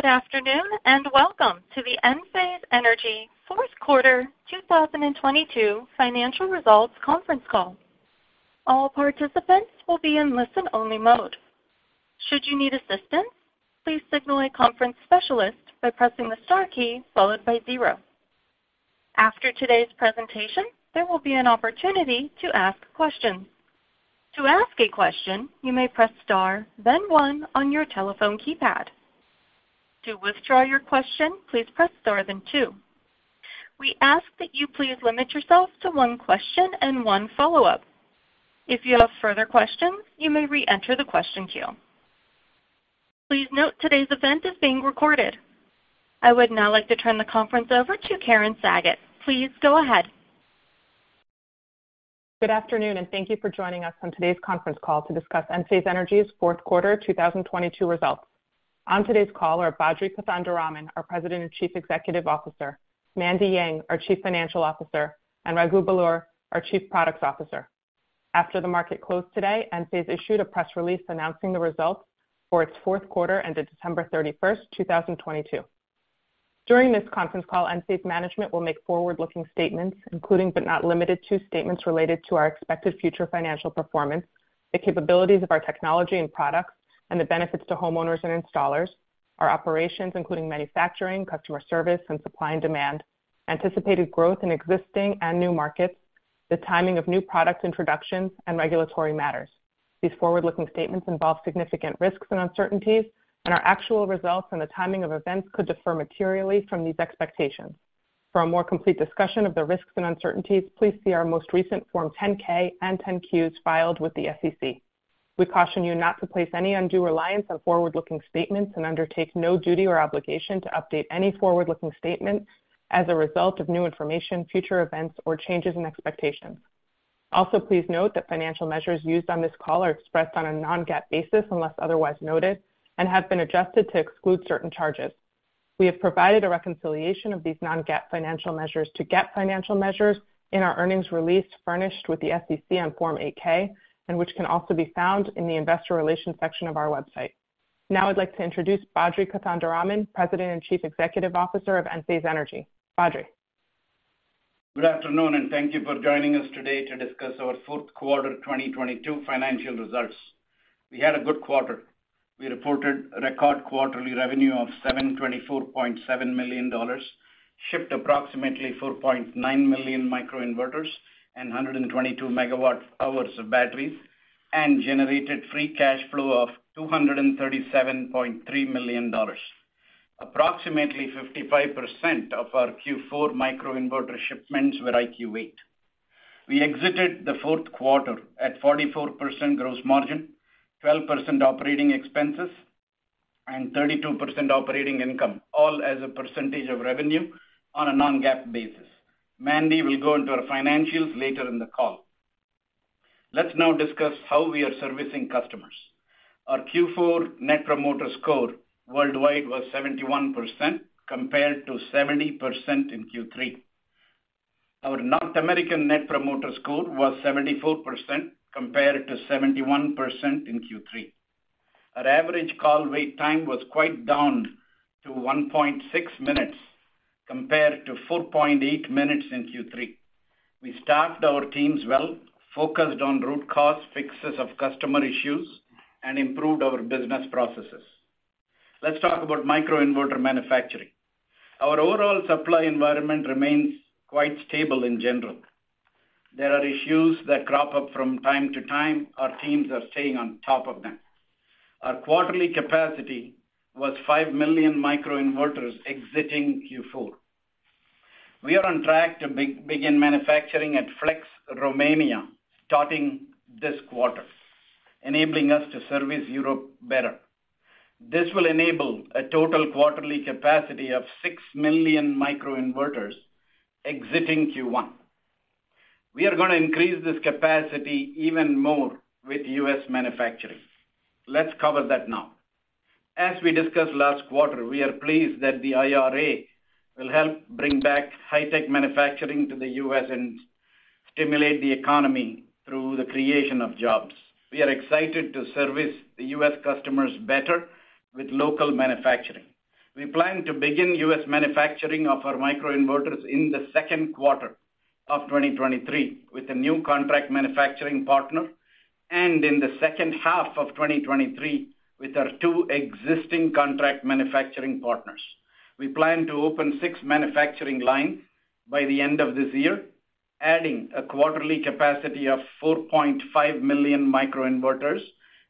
Good afternoon, and welcome to the Enphase Energy fourth quarter 2022 financial results conference call. All participants will be in listen-only mode. Should you need assistance, please signal a conference specialist by pressing the star key followed by zero. After today's presentation, there will be an opportunity to ask questions. To ask a question, you may press Star, then one on your telephone keypad. To withdraw your question, please press Star then two. We ask that you please limit yourself to one question and one follow-up. If you have further questions, you may re-enter the question queue. Please note today's event is being recorded. I would now like to turn the conference over to Karen Sagot. Please go ahead. Good afternoon. Thank you for joining us on today's conference call to discuss Enphase Energy's fourth quarter 2022 results. On today's call are Badri Kothandaraman, our President and Chief Executive Officer, Mandy Yang, our Chief Financial Officer, and Raghu Belur, our Chief Products Officer. After the market closed today, Enphase issued a press release announcing the results for its fourth quarter ended December 31st, 2022. During this conference call, Enphase management will make forward-looking statements, including, but not limited to, statements related to our expected future financial performance, the capabilities of our technology and products, and the benefits to homeowners and installers, our operations, including manufacturing, customer service, and supply and demand, anticipated growth in existing and new markets, the timing of new product introductions, and regulatory matters. These forward-looking statements involve significant risks and uncertainties, and our actual results and the timing of events could differ materially from these expectations. For a more complete discussion of the risks and uncertainties, please see our most recent Form 10-K and 10-Qs filed with the SEC. We caution you not to place any undue reliance on forward-looking statements and undertake no duty or obligation to update any forward-looking statements as a result of new information, future events, or changes in expectations. Please note that financial measures used on this call are expressed on a non-GAAP basis, unless otherwise noted, and have been adjusted to exclude certain charges. We have provided a reconciliation of these non-GAAP financial measures to GAAP financial measures in our earnings release furnished with the SEC on Form 8-K, which can also be found in the investor relations section of our website. Now I'd like to introduce Badri Kothandaraman, President and Chief Executive Officer of Enphase Energy. Badri. Good afternoon, thank you for joining us today to discuss our fourth quarter 2022 financial results. We had a good quarter. We reported record quarterly revenue of $724.7 million, shipped approximately 4.9 million microinverters and 122 MWh of batteries, and generated free cash flow of $237.3 million. Approximately 55% of our Q4 microinverter shipments were IQ8. We exited the fourth quarter at 44% gross margin, 12% operating expenses, and 32% operating income, all as a percentage of revenue on a non-GAAP basis. Mandy will go into our financials later in the call. Let's now discuss how we are servicing customers. Our Q4 net promoter score worldwide was 71%, compared to 70% in Q3. Our North American net promoter score was 74% compared to 71% in Q3. Our average call wait time was quite down to 1.6 minutes compared to 4.8 minutes in Q3. We staffed our teams well, focused on root cause fixes of customer issues and improved our business processes. Let's talk about microinverter manufacturing. Our overall supply environment remains quite stable in general. There are issues that crop up from time to time. Our teams are staying on top of them. Our quarterly capacity was 5 million microinverters exiting Q4. We are on track to begin manufacturing at Flex Romania starting this quarter, enabling us to service Europe better. This will enable a total quarterly capacity of 6 million microinverters exiting Q1. We are going to increase this capacity even more with U.S. manufacturing. Let's cover that now. As we discussed last quarter, we are pleased that the IRA will help bring back high-tech manufacturing to the U.S. and stimulate the economy through the creation of jobs. We are excited to service the U.S. customers better with local manufacturing. We plan to begin U.S. manufacturing of our microinverters in second quarter of 2023 with a new contract manufacturing partner and in the second half of 2023 with our two existing contract manufacturing partners. We plan to open six manufacturing lines by the end of this year, adding a quarterly capacity of 4.5 million microinverters,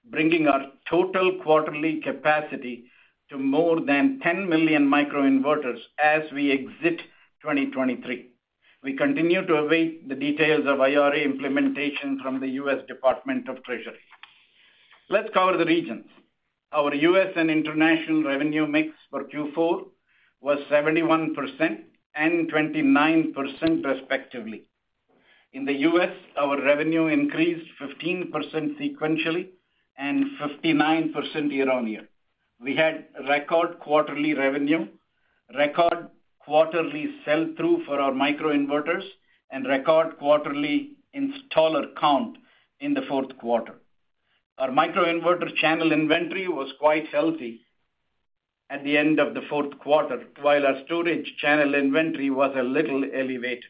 bringing our total quarterly capacity to more than 10 million microinverters as we exit 2023. We continue to await the details of IRA implementation from the U.S. Department of the Treasury. Let's cover the regions. Our U.S. and international revenue mix for Q4 was 71% and 29% respectively. In the U.S., our revenue increased 15% sequentially and 59% year-on-year. We had record quarterly revenue, record quarterly sell-through for our microinverters, and record quarterly installer count in the fourth quarter. Our microinverter channel inventory was quite healthy at the end of the fourth quarter, while our storage channel inventory was a little elevated.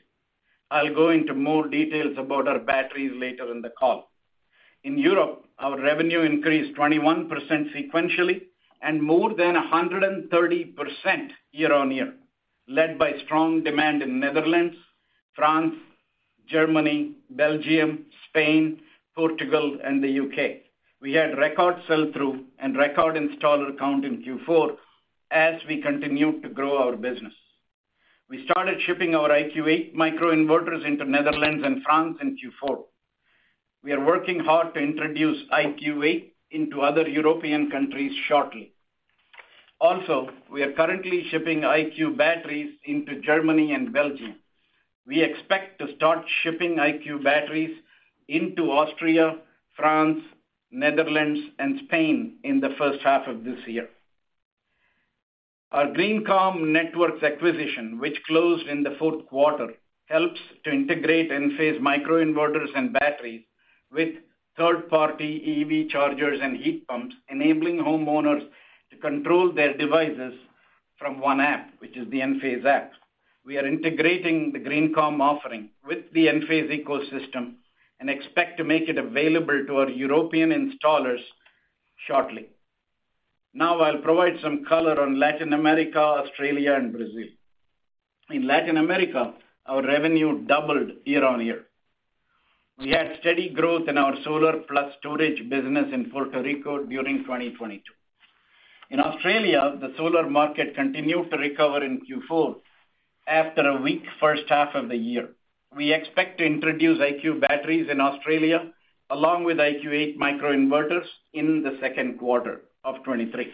I'll go into more details about our batteries later in the call. In Europe, our revenue increased 21% sequentially and more than 130% year-on-year, led by strong demand in Netherlands, France, Germany, Belgium, Spain, Portugal, and the U.K. We had record sell-through and record installer count in Q4 as we continued to grow our business. We started shipping our IQ8 microinverters into Netherlands and France in Q4. We are working hard to introduce IQ8 into other European countries shortly. We are currently shipping IQ Batteries into Germany and Belgium. We expect to start shipping IQ Batteries into Austria, France, Netherlands and Spain in the first half of this year. Our GreenCom Networks acquisition, which closed in the fourth quarter, helps to integrate Enphase microinverters and batteries with third-party EV chargers and heat pumps, enabling homeowners to control their devices from one app, which is the Enphase App. We are integrating the GreenCom offering with the Enphase ecosystem and expect to make it available to our European installers shortly. I'll provide some color on Latin America, Australia, and Brazil. In Latin America, our revenue doubled year-over-year. We had steady growth in our solar plus storage business in Puerto Rico during 2022. In Australia, the solar market continued to recover in Q4 after a weak first half of the year. We expect to introduce IQ Battery batteries in Australia along with IQ8 microinverters in the second quarter of 2023.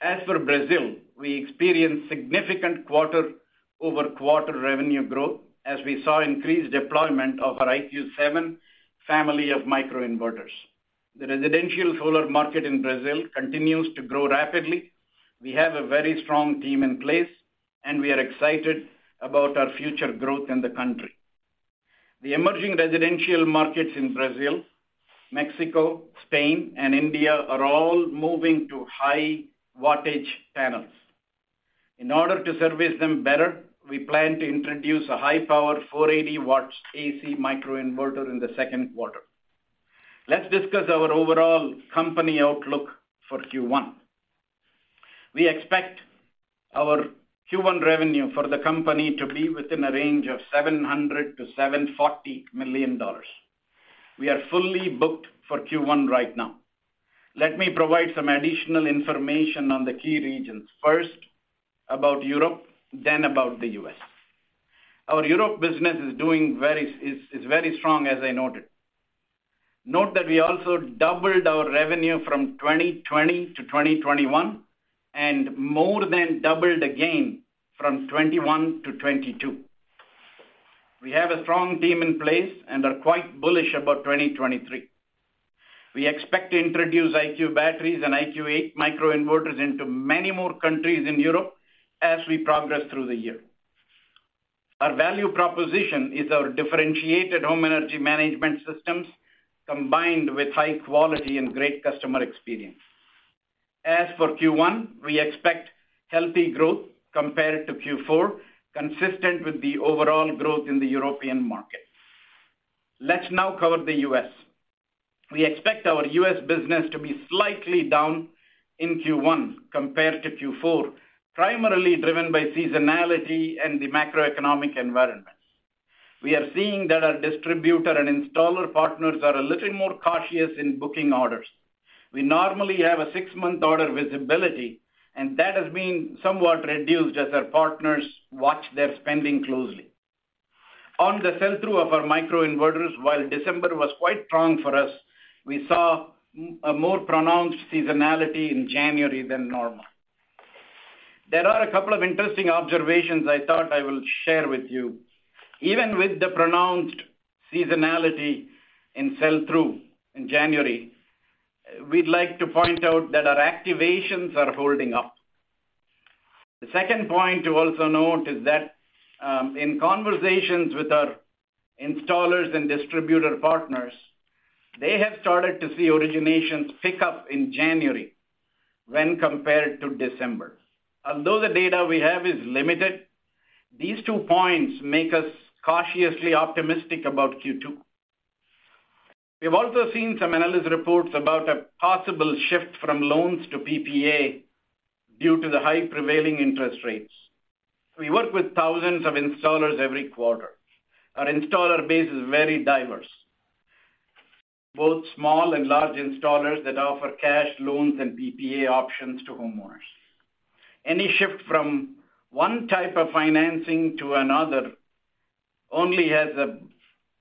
As for Brazil, we experienced significant quarter-over-quarter revenue growth as we saw increased deployment of our IQ7 family of microinverters. The residential solar market in Brazil continues to grow rapidly. We have a very strong team in place, and we are excited about our future growth in the country. The emerging residential markets in Brazil, Mexico, Spain and India are all moving to high wattage panels. In order to service them better, we plan to introduce a high-power 480 W AC microinverter in the second quarter. Let's discuss our overall company outlook for Q1. We expect our Q1 revenue for the company to be within a range of $700 million-$740 million. We are fully booked for Q1 right now. Let me provide some additional information on the key regions. First, about Europe, then about the U.S. Our Europe business is very strong, as I noted. Note that we also doubled our revenue from 2020 to 2021 and more than doubled again from 2021 to 2022. We have a strong team in place and are quite bullish about 2023. We expect to introduce IQ batteries and IQ8 microinverters into many more countries in Europe as we progress through the year. Our value proposition is our differentiated home energy management systems, combined with high quality and great customer experience. As for Q1, we expect healthy growth compared to Q4, consistent with the overall growth in the European market. Let's now cover the U.S. We expect our U.S. business to be slightly down in Q1 compared to Q4, primarily driven by seasonality and the macroeconomic environment. We are seeing that our distributor and installer partners are a little more cautious in booking orders. We normally have a six-month order visibility, that has been somewhat reduced as our partners watch their spending closely. On the sell-through of our microinverters, while December was quite strong for us, we saw more pronounced seasonality in January than normal. There are a couple of interesting observations I thought I will share with you. Even with the pronounced seasonality in sell-through in January, we'd like to point out that our activations are holding up. The second point to also note is that, in conversations with our installers and distributor partners, they have started to see originations pick up in January when compared to December. Although the data we have is limited, these 2 points make us cautiously optimistic about Q2. We have also seen some analyst reports about a possible shift from loans to PPA due to the high prevailing interest rates. We work with thousands of installers every quarter. Our installer base is very diverse. Both small and large installers that offer cash loans and PPA options to homeowners. Any shift from one type of financing to another only has a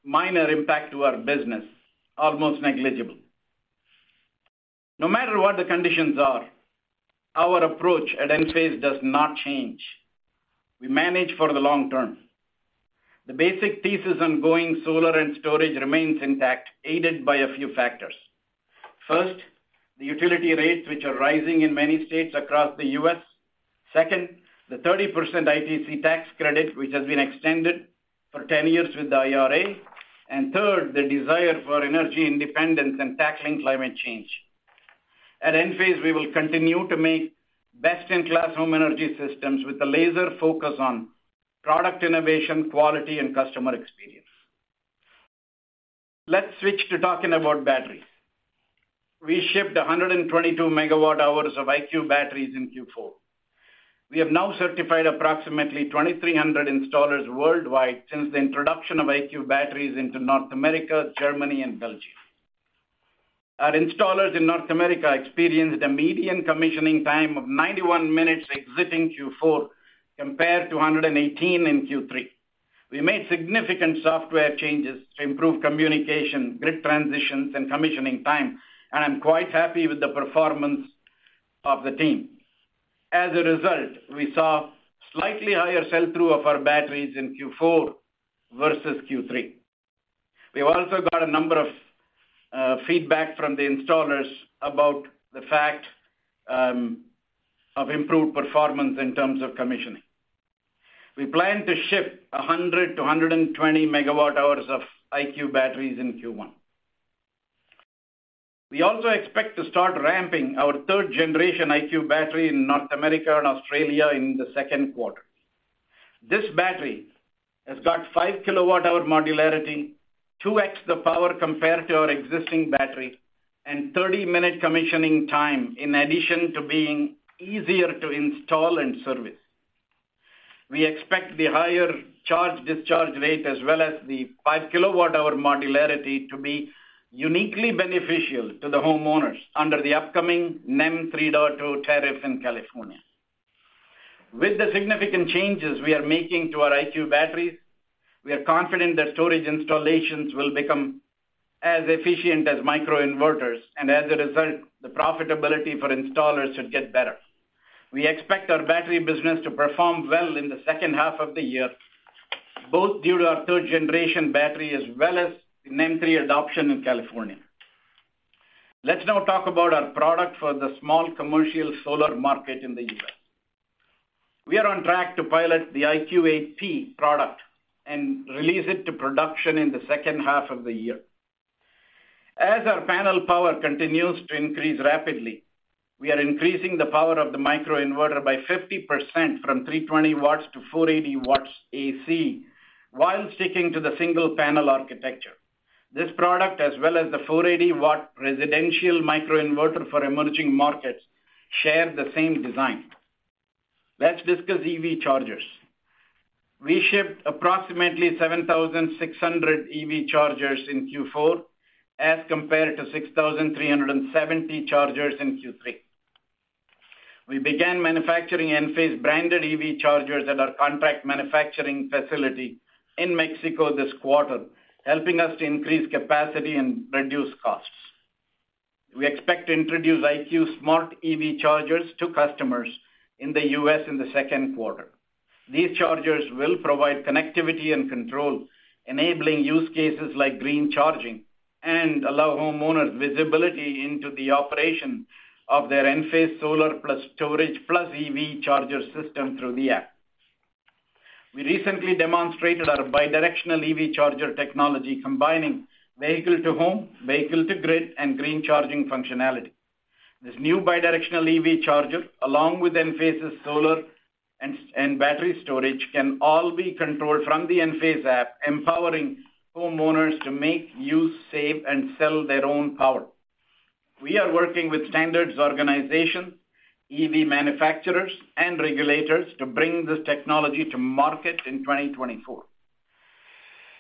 minor impact to our business, almost negligible. No matter what the conditions are, our approach at Enphase does not change. We manage for the long term. The basic thesis on going solar and storage remains intact, aided by a few factors. First, the utility rates, which are rising in many states across the U.S. Second, the 30% ITC tax credit, which has been extended for 10 years with the IRA. Third, the desire for energy independence and tackling climate change. At Enphase, we will continue to make best-in-class home energy systems with a laser focus on product innovation, quality, and customer experience. Let's switch to talking about batteries. We shipped 122 MWh of IQ batteries in Q4. We have now certified approximately 2,300 installers worldwide since the introduction of IQ batteries into North America, Germany, and Belgium. Our installers in North America experienced a median commissioning time of 91 minutes exiting Q4 compared to 118 minutes in Q3. We made significant software changes to improve communication, grid transitions, and commissioning time, and I'm quite happy with the performance of the team. We saw slightly higher sell-through of our batteries in Q4 versus Q3. We've also got a number of feedback from the installers about the fact of improved performance in terms of commissioning. We plan to ship 100 MWh-120 MWh of IQ Batteries in Q1. We also expect to start ramping our third-generation IQ Battery in North America and Australia in the second quarter. This battery has got 5 kWh, 2x the power compared to our existing battery, and 30-minute commissioning time, in addition to being easier to install and service. We expect the higher charge discharge rate as well as the 5 kWh modularity to be uniquely beneficial to the homeowners under the upcoming NEM 3.0 tariff in California. With the significant changes we are making to our IQ Battery, we are confident that storage installations will become as efficient as microinverters. As a result, the profitability for installers should get better. We expect our battery business to perform well in the second half of the year, both due to our third-generation battery as well as NEM 3.0 adoption in California. Let's now talk about our product for the small commercial solar market in the U.S. We are on track to pilot the IQ8P product and release it to production in the second half of the year. As our panel power continues to increase rapidly, we are increasing the power of the microinverter by 50% from 320 W to 480 W AC while sticking to the single panel architecture. This product, as well as the 480 W residential microinverter for emerging markets, share the same design. Let's discuss EV chargers. We shipped approximately 7,600 EV chargers in Q4 as compared to 6,370 chargers in Q3. We began manufacturing Enphase-branded EV chargers at our contract manufacturing facility in Mexico this quarter, helping us to increase capacity and reduce costs. We expect to introduce IQ smart EV chargers to customers in the U.S. in the second quarter. These chargers will provide connectivity and control, enabling use cases like green charging and allow homeowners visibility into the operation of their Enphase solar plus storage plus EV charger system through the app. We recently demonstrated our bidirectional EV charger technology combining vehicle-to-home, vehicle-to-grid, and green charging functionality. This new bidirectional EV charger, along with Enphase's solar and battery storage, can all be controlled from the Enphase App, empowering homeowners to make, use, save, and sell their own power. We are working with standards organization, EV manufacturers, and regulators to bring this technology to market in 2024.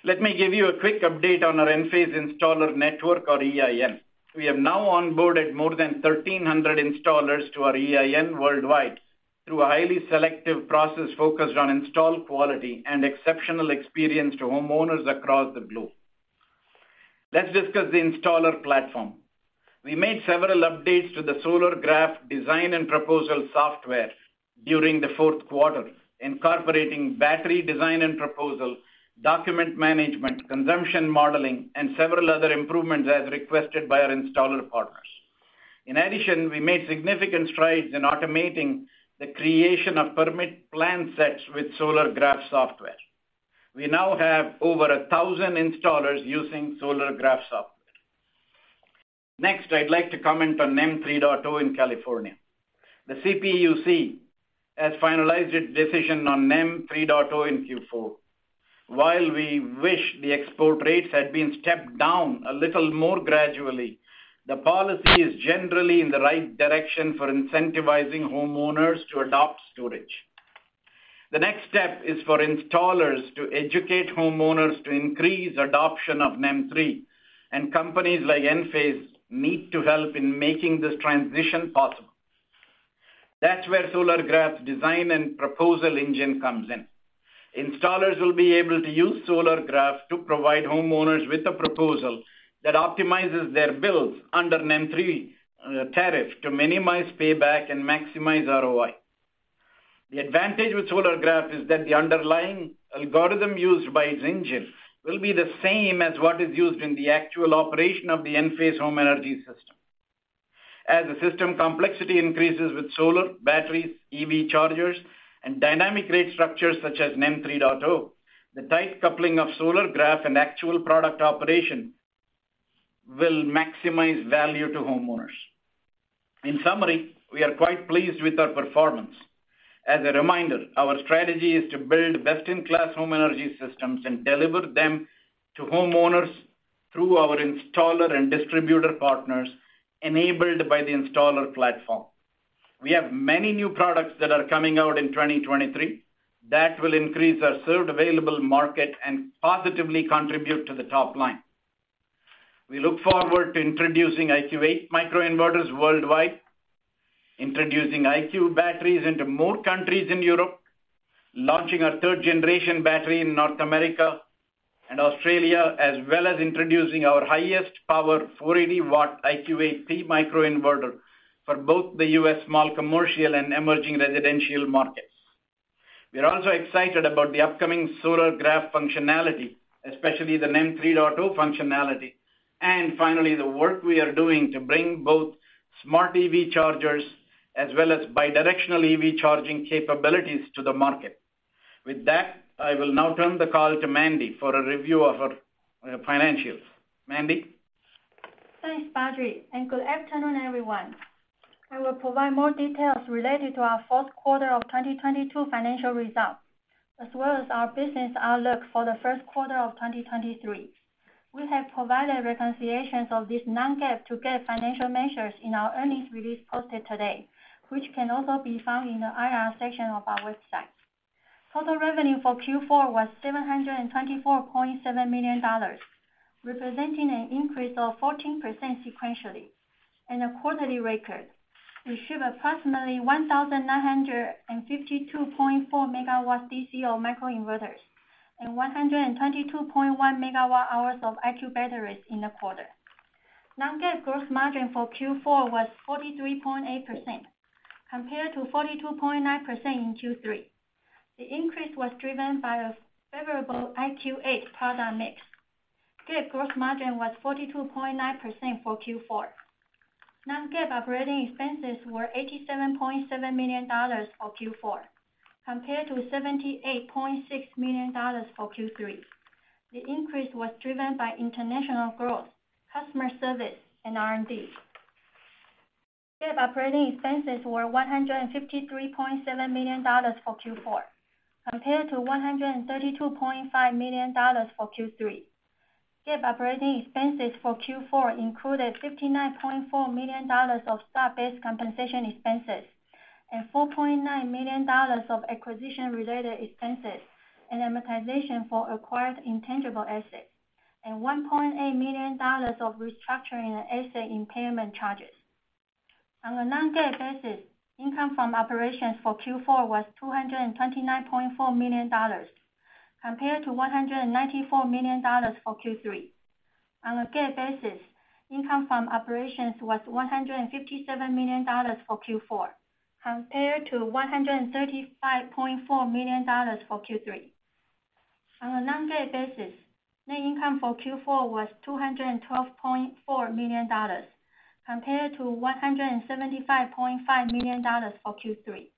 Let me give you a quick update on our Enphase Installer Network or EIN. We have now onboarded more than 1,300 installers to our EIN worldwide through a highly selective process focused on install quality and exceptional experience to homeowners across the globe. Let's discuss the installer platform. We made several updates to the Solargraf design and proposal software during the fourth quarter, incorporating battery design and proposal, document management, consumption modeling, and several other improvements as requested by our installer partners. In addition, we made significant strides in automating the creation of permit plan sets with Solargraf software. We now have over 1,000 installers using Solargraf software. I'd like to comment on NEM 3.0 in California. The CPUC has finalized its decision on NEM 3.0 in Q4. While we wish the export rates had been stepped down a little more gradually, the policy is generally in the right direction for incentivizing homeowners to adopt storage. The next step is for installers to educate homeowners to increase adoption of NEM 3.0, companies like Enphase need to help in making this transition possible. That's where Solargraf's design and proposal engine comes in. Installers will be able to use Solargraf to provide homeowners with a proposal that optimizes their bills under NEM 3.0 tariff to minimize payback and maximize ROI. The advantage with Solargraf is that the underlying algorithm used by its engine will be the same as what is used in the actual operation of the Enphase home energy system. As the system complexity increases with solar, batteries, EV chargers, and dynamic rate structures such as NEM 3.0, the tight coupling of Solargraf and actual product operation will maximize value to homeowners. In summary, we are quite pleased with our performance. As a reminder, our strategy is to build best-in-class home energy systems and deliver them to homeowners through our installer and distributor partners, enabled by the installer platform. We have many new products that are coming out in 2023 that will increase our served available market and positively contribute to the top line. We look forward to introducing IQ8 microinverters worldwide, introducing IQ Batteries into more countries in Europe, launching our 3rd generation battery in North America and Australia, as well as introducing our highest power 480 W IQ8P microinverter for both the U.S. small commercial and emerging residential markets. We are also excited about the upcoming Solargraf functionality, especially the NEM 3.0 functionality. Finally, the work we are doing to bring both smart EV chargers as well as bi-directional EV charging capabilities to the market. With that, I will now turn the call to Mandy for a review of our financials. Mandy? Thanks, Badri. Good afternoon, everyone. I will provide more details related to our fourth quarter of 2022 financial results, as well as our business outlook for the first quarter of 2023. We have provided reconciliations of this non-GAAP to GAAP financial measures in our earnings release posted today, which can also be found in the IR section of our website. Total revenue for Q4 was $724.7 million, representing an increase of 14% sequentially and a quarterly record. We ship approximately 1,952.4 MW DC of microinverters and 122.1 MWh of IQ batteries in the quarter. Non-GAAP growth margin for Q4 was 43.8%, compared to 42.9% in Q3. The increase was driven by a favorable IQ8 product mix. GAAP gross margin was 42.9% for Q4. Non-GAAP operating expenses were $87.7 million for Q4, compared to $78.6 million for Q3. The increase was driven by international growth, customer service, and R&D. GAAP operating expenses were $153.7 million for Q4, compared to $132.5 million for Q3. GAAP operating expenses for Q4 included $59.4 million of stock-based compensation expenses and $4.9 million of acquisition-related expenses and amortization for acquired intangible assets, and $1.8 million of restructuring and asset impairment charges. On a non-GAAP basis, income from operations for Q4 was $229.4 million, compared to $194 million for Q3. On a GAAP basis, income from operations was $157 million for Q4, compared to $135.4 million for Q3. On a non-GAAP basis, net income for Q4 was $212.4 million, compared to $175.5 million for Q3.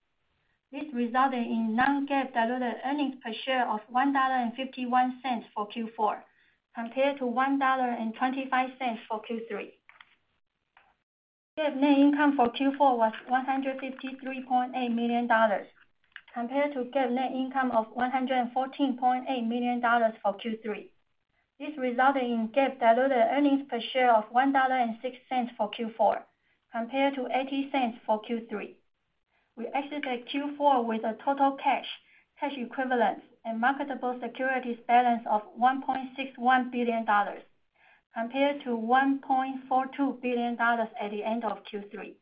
This resulted in non-GAAP diluted earnings per share of $1.51 for Q4, compared to $1.25 for Q3. GAAP net income for Q4 was $153.8 million, compared to GAAP net income of $114.8 million for Q3. This resulted in GAAP diluted earnings per share of $1.06 for Q4, compared to $0.80 for Q3. We exited Q4 with a total cash equivalents, and marketable securities balance of $1.61 billion, compared to $1.42 billion at the end of Q3.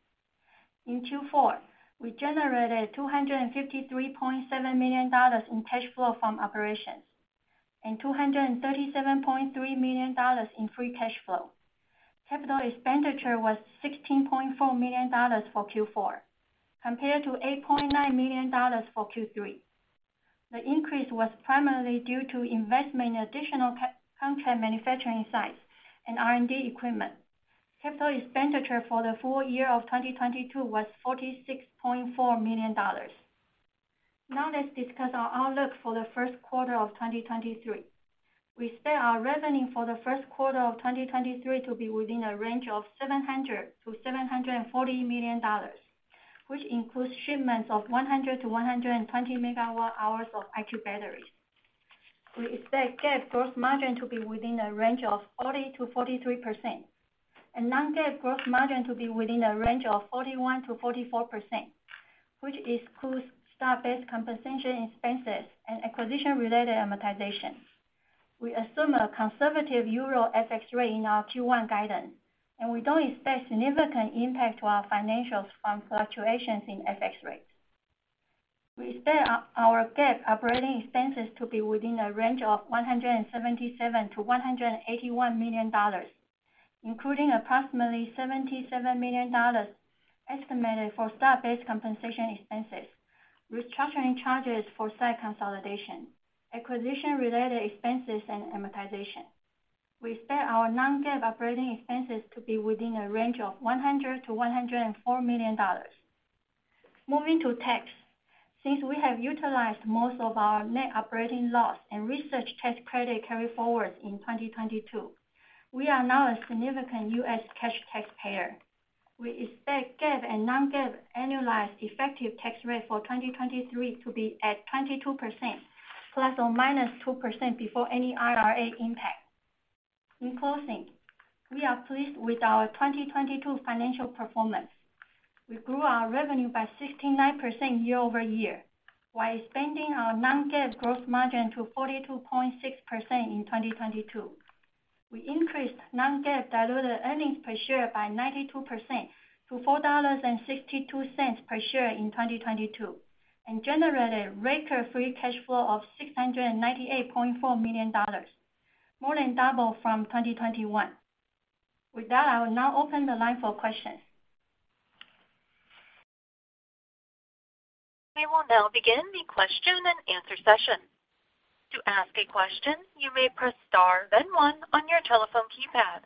In Q4, we generated $253.7 million in cash flow from operations, and $237.3 million in free cash flow. CapEx was $16.4 million for Q4, compared to $8.9 million for Q3. The increase was primarily due to investment in additional contract manufacturing sites and R&D equipment. CapEx for the full year of 2022 was $46.4 million. Let's discuss our outlook for the first quarter of 2023. We expect our revenue for the first quarter of 2023 to be within a range of $700 million-$740 million, which includes shipments of 100 MWh-120 MWh of IQ batteries. We expect GAAP gross margin to be within a range of 40%-43%, and non-GAAP gross margin to be within a range of 41%-44%, which excludes stock-based compensation expenses and acquisition-related amortization. We assume a conservative euro FX rate in our Q1 guidance, and we don't expect significant impact to our financials from fluctuations in FX rates. We expect our GAAP operating expenses to be within a range of $177 million-$181 million, including approximately $77 million for stock-based compensation expenses, restructuring charges for site consolidation, acquisition-related expenses and amortization. We expect our non-GAAP operating expenses to be within a range of $100 million-$104 million. Moving to tax. Since we have utilized most of our net operating loss and research tax credit carryforward in 2022, we are now a significant U.S. cash taxpayer. We expect GAAP and non-GAAP annualized effective tax rate for 2023 to be at 22% ±2% before any IRA impact. In closing, we are pleased with our 2022 financial performance. We grew our revenue by 69% year-over-year while expanding our non-GAAP growth margin to 42.6% in 2022. We increased non-GAAP diluted earnings per share by 92% to $4.62 per share in 2022, and generated record free cash flow of $698.4 million, more than double from 2021. With that, I will now open the line for questions. We will now begin the question-and-answer session. To ask a question, you may press star then one on your telephone keypad.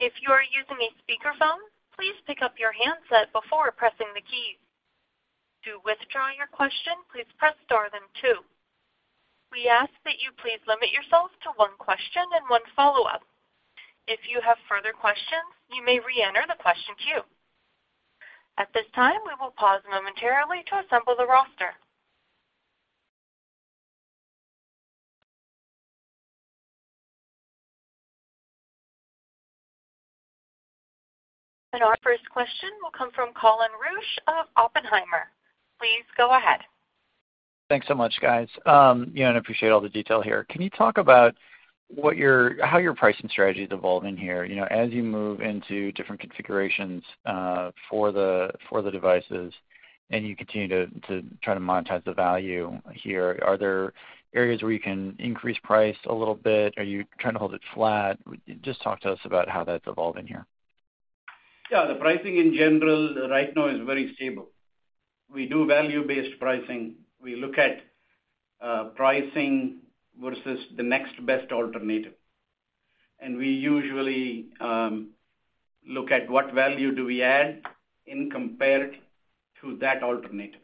If you are using a speakerphone, please pick up your handset before pressing the key. To withdraw your question, please press star then two. We ask that you please limit yourself to one question and one follow-up. If you have further questions, you may reenter the question queue. At this time, we will pause momentarily to assemble the roster. Our first question will come from Colin Rusch of Oppenheimer. Please go ahead. Thanks so much, guys. You know, I appreciate all the detail here. Can you talk about how your pricing strategy is evolving here, you know, as you move into different configurations for the devices and you continue to try to monetize the value here? Are there areas where you can increase price a little bit? Are you trying to hold it flat? Just talk to us about how that's evolving here. The pricing in general right now is very stable. We do value-based pricing. We look at pricing versus the next best alternative, and we usually look at what value do we add in compared to that alternative.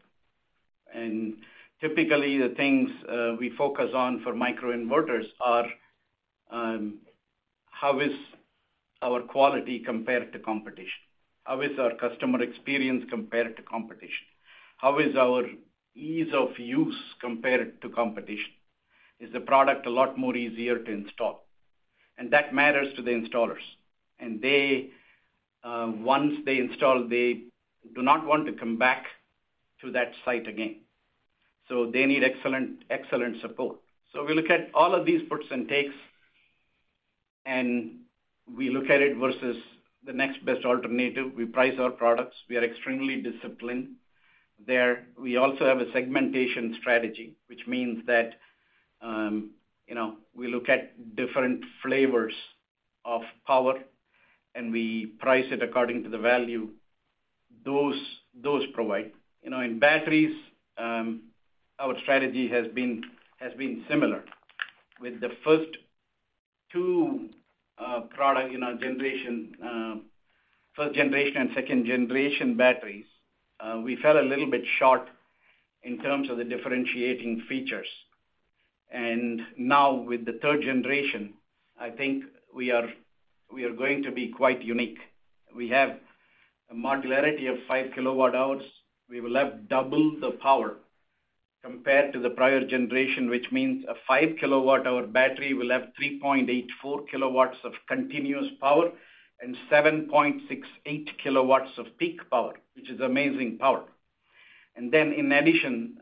Typically, the things we focus on for microinverters are how is our quality compared to competition? How is our customer experience compared to competition? How is our ease of use compared to competition? Is the product a lot more easier to install? That matters to the installers. They once they install, they do not want to come back to that site again. They need excellent support. We look at all of these puts and takes. We look at it versus the next best alternative. We price our products. We are extremely disciplined there. We also have a segmentation strategy, which means that, you know, we look at different flavors of power, and we price it according to the value those provide. You know, in batteries, our strategy has been similar. With the first two product in our generation, first generation and second generation batteries, we fell a little bit short in terms of the differentiating features. Now with the third generation, I think we are going to be quite unique. We have a modularity of 5 kWh. We will have double the power compared to the prior generation, which means a 5 kWh battery will have 3.84 kW of continuous power and 7.68 kW of peak power, which is amazing power. In addition,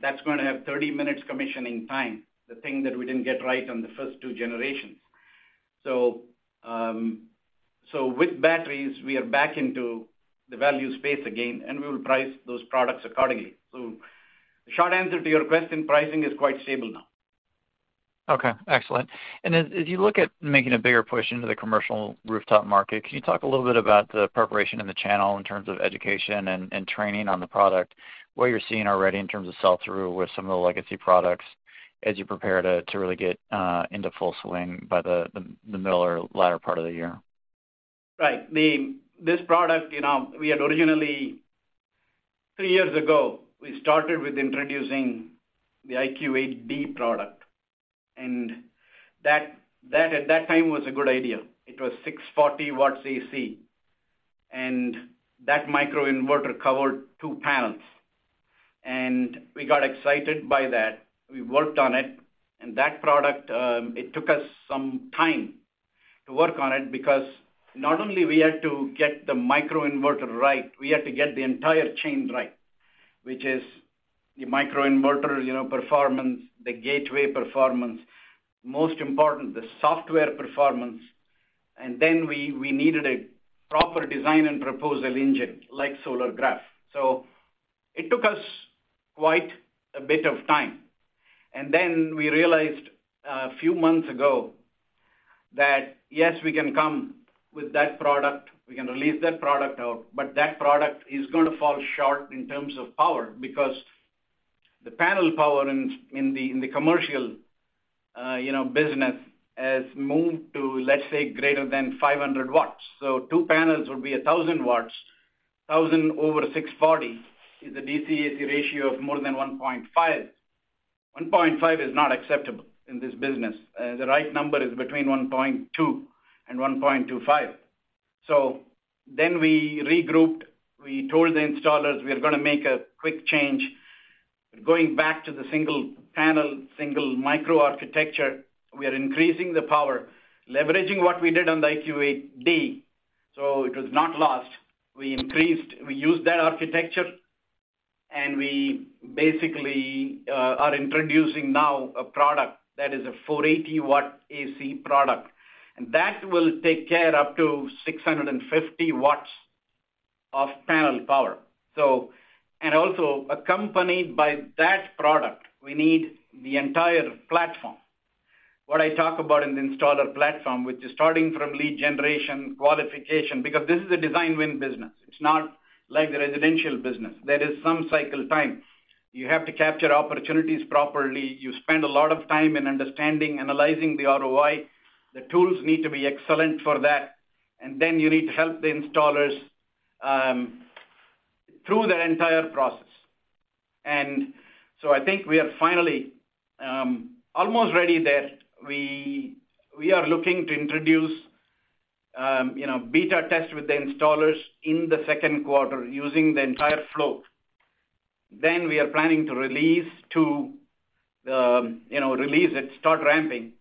that's gonna have 30 minutes commissioning time, the thing that we didn't get right on the first two generations. With batteries, we are back into the value space again, and we will price those products accordingly. The short answer to your question, pricing is quite stable now. Okay, excellent. As you look at making a bigger push into the commercial rooftop market, can you talk a little bit about the preparation in the channel in terms of education and training on the product, what you're seeing already in terms of sell-through with some of the legacy products as you prepare to really get into full swing by the middle or latter part of the year? Right. This product, you know, we had originally three years ago, we started with introducing the IQ8D product, and that at that time was a good idea. It was 640 W AC, and that microinverter covered two panels. We got excited by that. We worked on it, that product, it took us some time to work on it because not only we had to get the microinverter right, we had to get the entire chain right, which is the microinverter, you know, performance, the gateway performance, most important, the software performance. We needed a proper design and proposal engine like Solargraf. It took us quite a bit of time. We realized a few months ago. That, yes, we can come with that product, we can release that product out, but that product is gonna fall short in terms of power, because the panel power in the commercial, you know, business has moved to, let's say, greater than 500 W. Two panels would be 1,000 W. 1,000 W over 640 W is a DC/AC ratio of more than 1.5. 1.5 is not acceptable in this business. The right number is between 1.2 and 1.25. We regrouped. We told the installers we are gonna make a quick change. Going back to the single panel, single micro architecture, we are increasing the power, leveraging what we did on the IQ8D, so it was not lost. We increased. We used that architecture, we basically are introducing now a product that is a 480 W AC product. That will take care up to 650 W of panel power. Also accompanied by that product, we need the entire platform. What I talk about an installer platform, which is starting from lead generation, qualification, because this is a design win business. It's not like the residential business. There is some cycle time. You have to capture opportunities properly. You spend a lot of time in understanding, analyzing the ROI. The tools need to be excellent for that. You need to help the installers through that entire process. I think we are finally almost ready there. We are looking to introduce, you know, beta test with the installers in the second quarter using the entire flow. We are planning to release to the, you know, release it, start ramping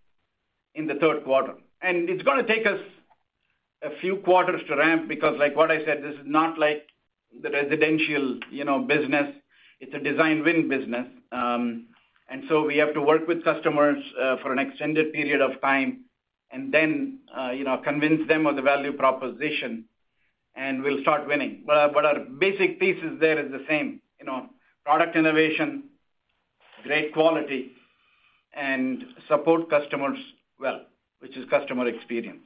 in the third quarter. It's gonna take us a few quarters to ramp because like what I said, this is not like the residential, you know, business. It's a design win business. We have to work with customers for an extended period of time and then, you know, convince them of the value proposition, and we'll start winning. Our basic pieces there is the same, you know, product innovation, great quality and support customers well, which is customer experience.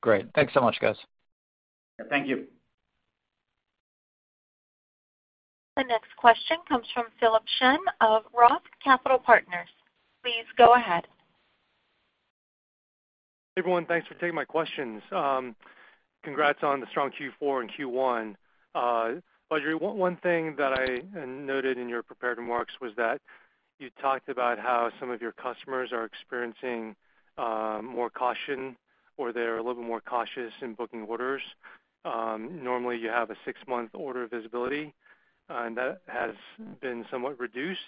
Great. Thanks so much, guys. Thank you. The next question comes from Philip Shen of ROTH Capital Partners. Please go ahead. Everyone, thanks for taking my questions. Congrats on the strong Q4 and Q1. Badri, one thing that I noted in your prepared remarks was that you talked about how some of your customers are experiencing more caution, or they're a little more cautious in booking orders. Normally, you have a six-month order visibility, and that has been somewhat reduced,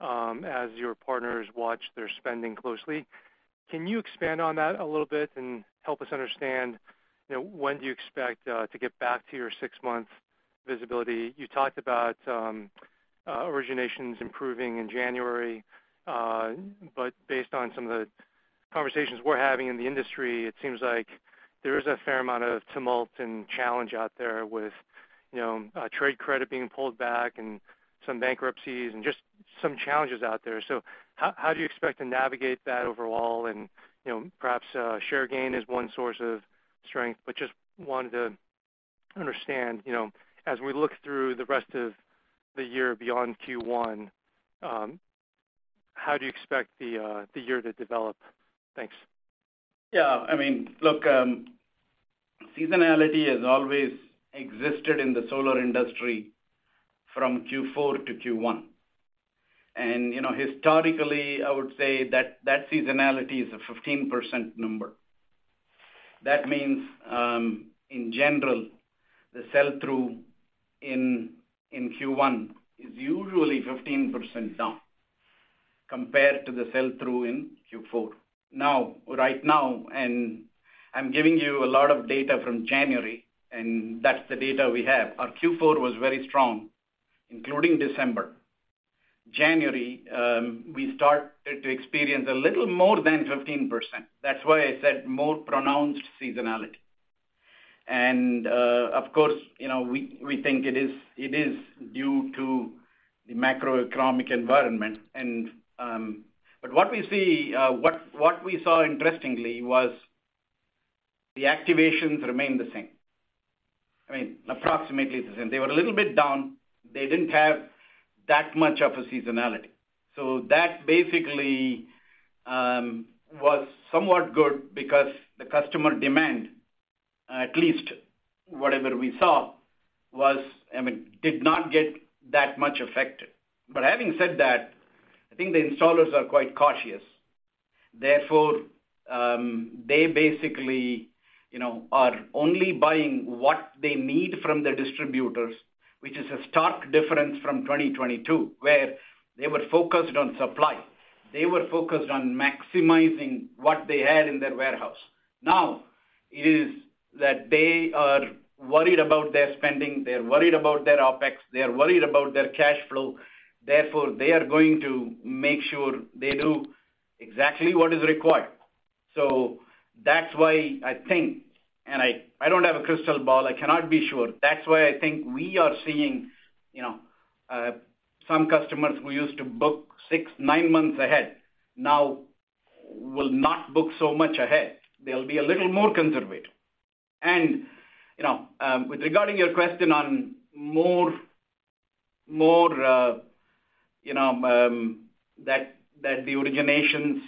as your partners watch their spending closely. Can you expand on that a little bit and help us understand, you know, when do you expect to get back to your six-month visibility? You talked about originations improving in January, but based on some of the conversations we're having in the industry, it seems like there is a fair amount of tumult and challenge out there with, you know, trade credit being pulled back and some bankruptcies and just some challenges out there. How do you expect to navigate that overall and, you know, perhaps share gain is one source of strength, but just wanted to understand, you know, as we look through the rest of the year beyond Q1, how do you expect the year to develop? Thanks. Yeah. I mean, look, seasonality has always existed in the solar industry from Q4 to Q1. You know, historically, I would say that that seasonality is a 15% number. That means, in general, the sell-through in Q1 is usually 15% down compared to the sell-through in Q4. Now, right now, I'm giving you a lot of data from January, and that's the data we have. Our Q4 was very strong, including December. January, we started to experience a little more than 15%. That's why I said more pronounced seasonality. Of course, you know, we think it is due to the macroeconomic environment. What we see, what we saw interestingly was the activations remained the same. I mean, approximately the same. They were a little bit down. They didn't have that much of a seasonality. That basically was somewhat good because the customer demand, at least whatever we saw was, I mean, did not get that much affected. Having said that, I think the installers are quite cautious. Therefore, they basically, you know, are only buying what they need from the distributors, which is a stark difference from 2022, where they were focused on supply. They were focused on maximizing what they had in their warehouse. Now it is that they are worried about their spending. They're worried about their OpEx. They're worried about their cash flow. Therefore, they are going to make sure they do exactly what is required. That's why I think, and I don't have a crystal ball, I cannot be sure. That's why I think we are seeing, you know, some customers who used to book six, nine months ahead now will not book so much ahead. They'll be a little more conservative. You know, with regarding your question on more, you know, that the originations,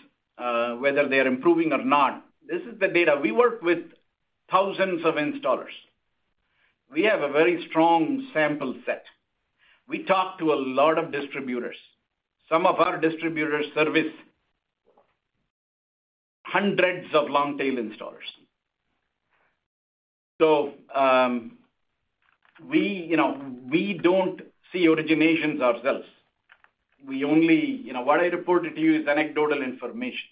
whether they are improving or not, this is the data. We work with thousands of installers. We have a very strong sample set. We talk to a lot of distributors. Some of our distributors service hundreds of long tail installers. We, you know, we don't see originations ourselves. We only what I reported to you is anecdotal information.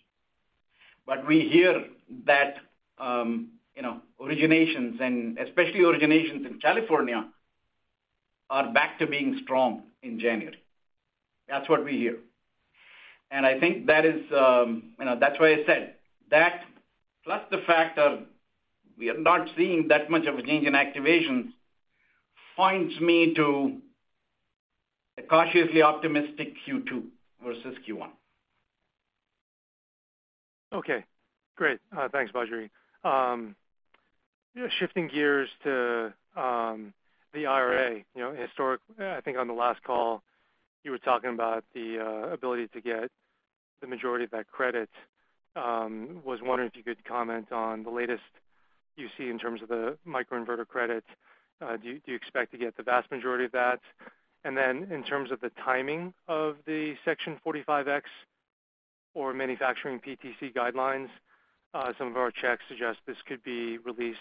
We hear that, you know, originations, and especially originations in California, are back to being strong in January. That's what we hear. I think that is, you know, that's why I said that plus the fact of we are not seeing that much of a change in activations finds me to a cautiously optimistic Q2 versus Q1. Okay, great. Thanks, Badri. Shifting gears to the IRA. You know, I think on the last call, you were talking about the ability to get the majority of that credit. Was wondering if you could comment on the latest you see in terms of the microinverter credits. Do you expect to get the vast majority of that? In terms of the timing of the Section 45X or manufacturing PTC guidelines, some of our checks suggest this could be released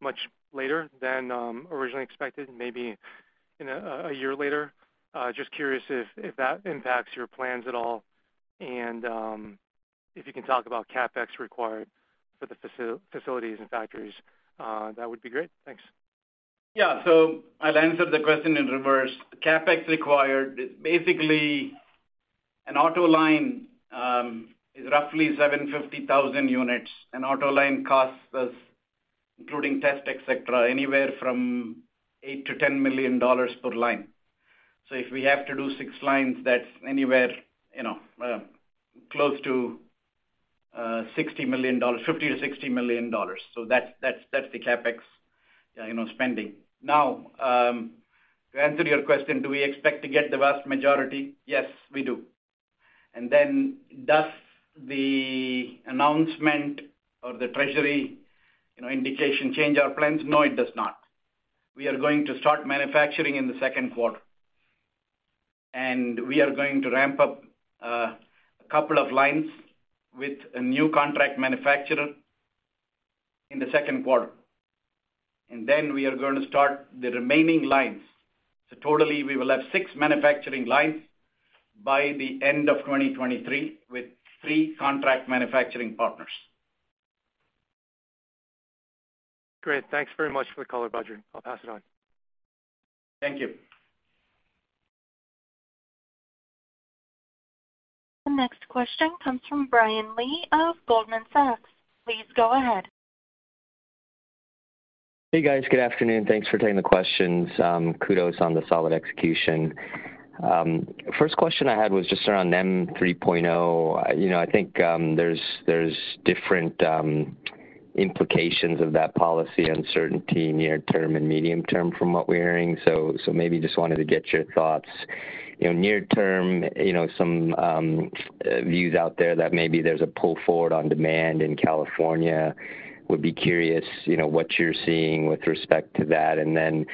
much later than originally expected, maybe in a year later. Just curious if that impacts your plans at all and if you can talk about CapEx required for the facilities and factories, that would be great. Thanks. Yeah. I'll answer the question in reverse. CapEx required, basically an auto line, is roughly 750,000 units. An auto line costs us, including test, et cetera, anywhere from $8 million-$10 million per line. If we have to do six lines, that's anywhere, close to $50 million-$60 million. That's the CapEx spending. Now, to answer your question, do we expect to get the vast majority? Yes, we do. Does the announcement or the treasury indication change our plans? No, it does not. We are going to start manufacturing in the second quarter. We are going to ramp up a couple of lines with a new contract manufacturer in the second quarter. We are going to start the remaining lines. Totally, we will have six manufacturing lines by the end of 2023, with three contract manufacturing partners. Great. Thanks very much for the color, Badri. I'll pass it on. Thank you. The next question comes from Brian Lee of Goldman Sachs. Please go ahead. Hey, guys. Good afternoon. Thanks for taking the questions. Kudos on the solid execution. First question I had was just around NEM 3.0. You know, I think, there's different implications of that policy uncertainty near term and medium term from what we're hearing. So maybe just wanted to get your thoughts. You know, near term, you know, some views out there that maybe there's a pull forward on demand in California. Would be curious, you know, what you're seeing with respect to that. And then,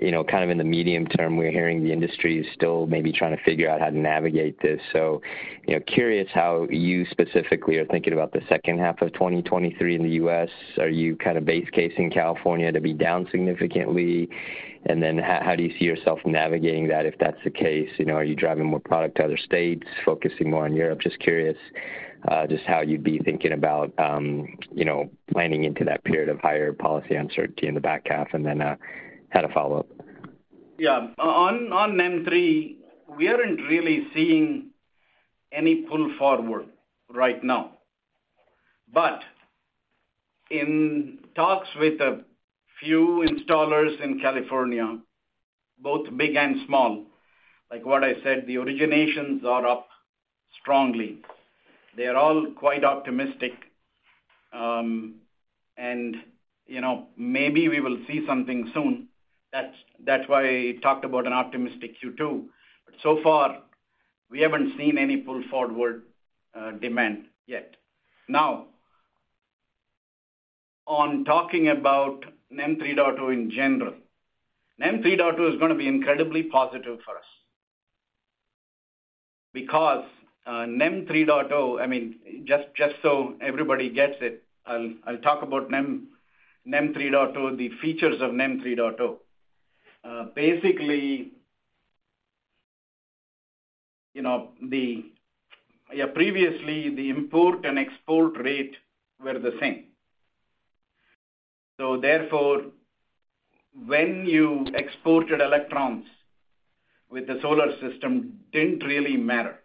you know, kind of in the medium term, we're hearing the industry is still maybe trying to figure out how to navigate this. So, you know, curious how you specifically are thinking about the second half of 2023 in the U.S. Are you kind of base casing California to be down significantly? How do you see yourself navigating that if that's the case? You know, are you driving more product to other states, focusing more on Europe? Just curious, just how you'd be thinking about, you know, planning into that period of higher policy uncertainty in the back half. Had a follow-up. Yeah. On NEM 3.0, we aren't really seeing any pull forward right now. In talks with a few installers in California, both big and small, like what I said, the originations are up strongly. They are all quite optimistic. You know, maybe we will see something soon. That's why I talked about an optimistic Q2. So far, we haven't seen any pull forward demand yet. Now, on talking about NEM 3.0 in general, NEM 3.0 is gonna be incredibly positive for us because NEM 3.0, I mean, just so everybody gets it, I'll talk about NEM 3.0, the features of NEM 3.0. Basically, you know, Yeah, previously, the import and export rate were the same. Therefore, when you exported electrons with the solar system didn't really matter.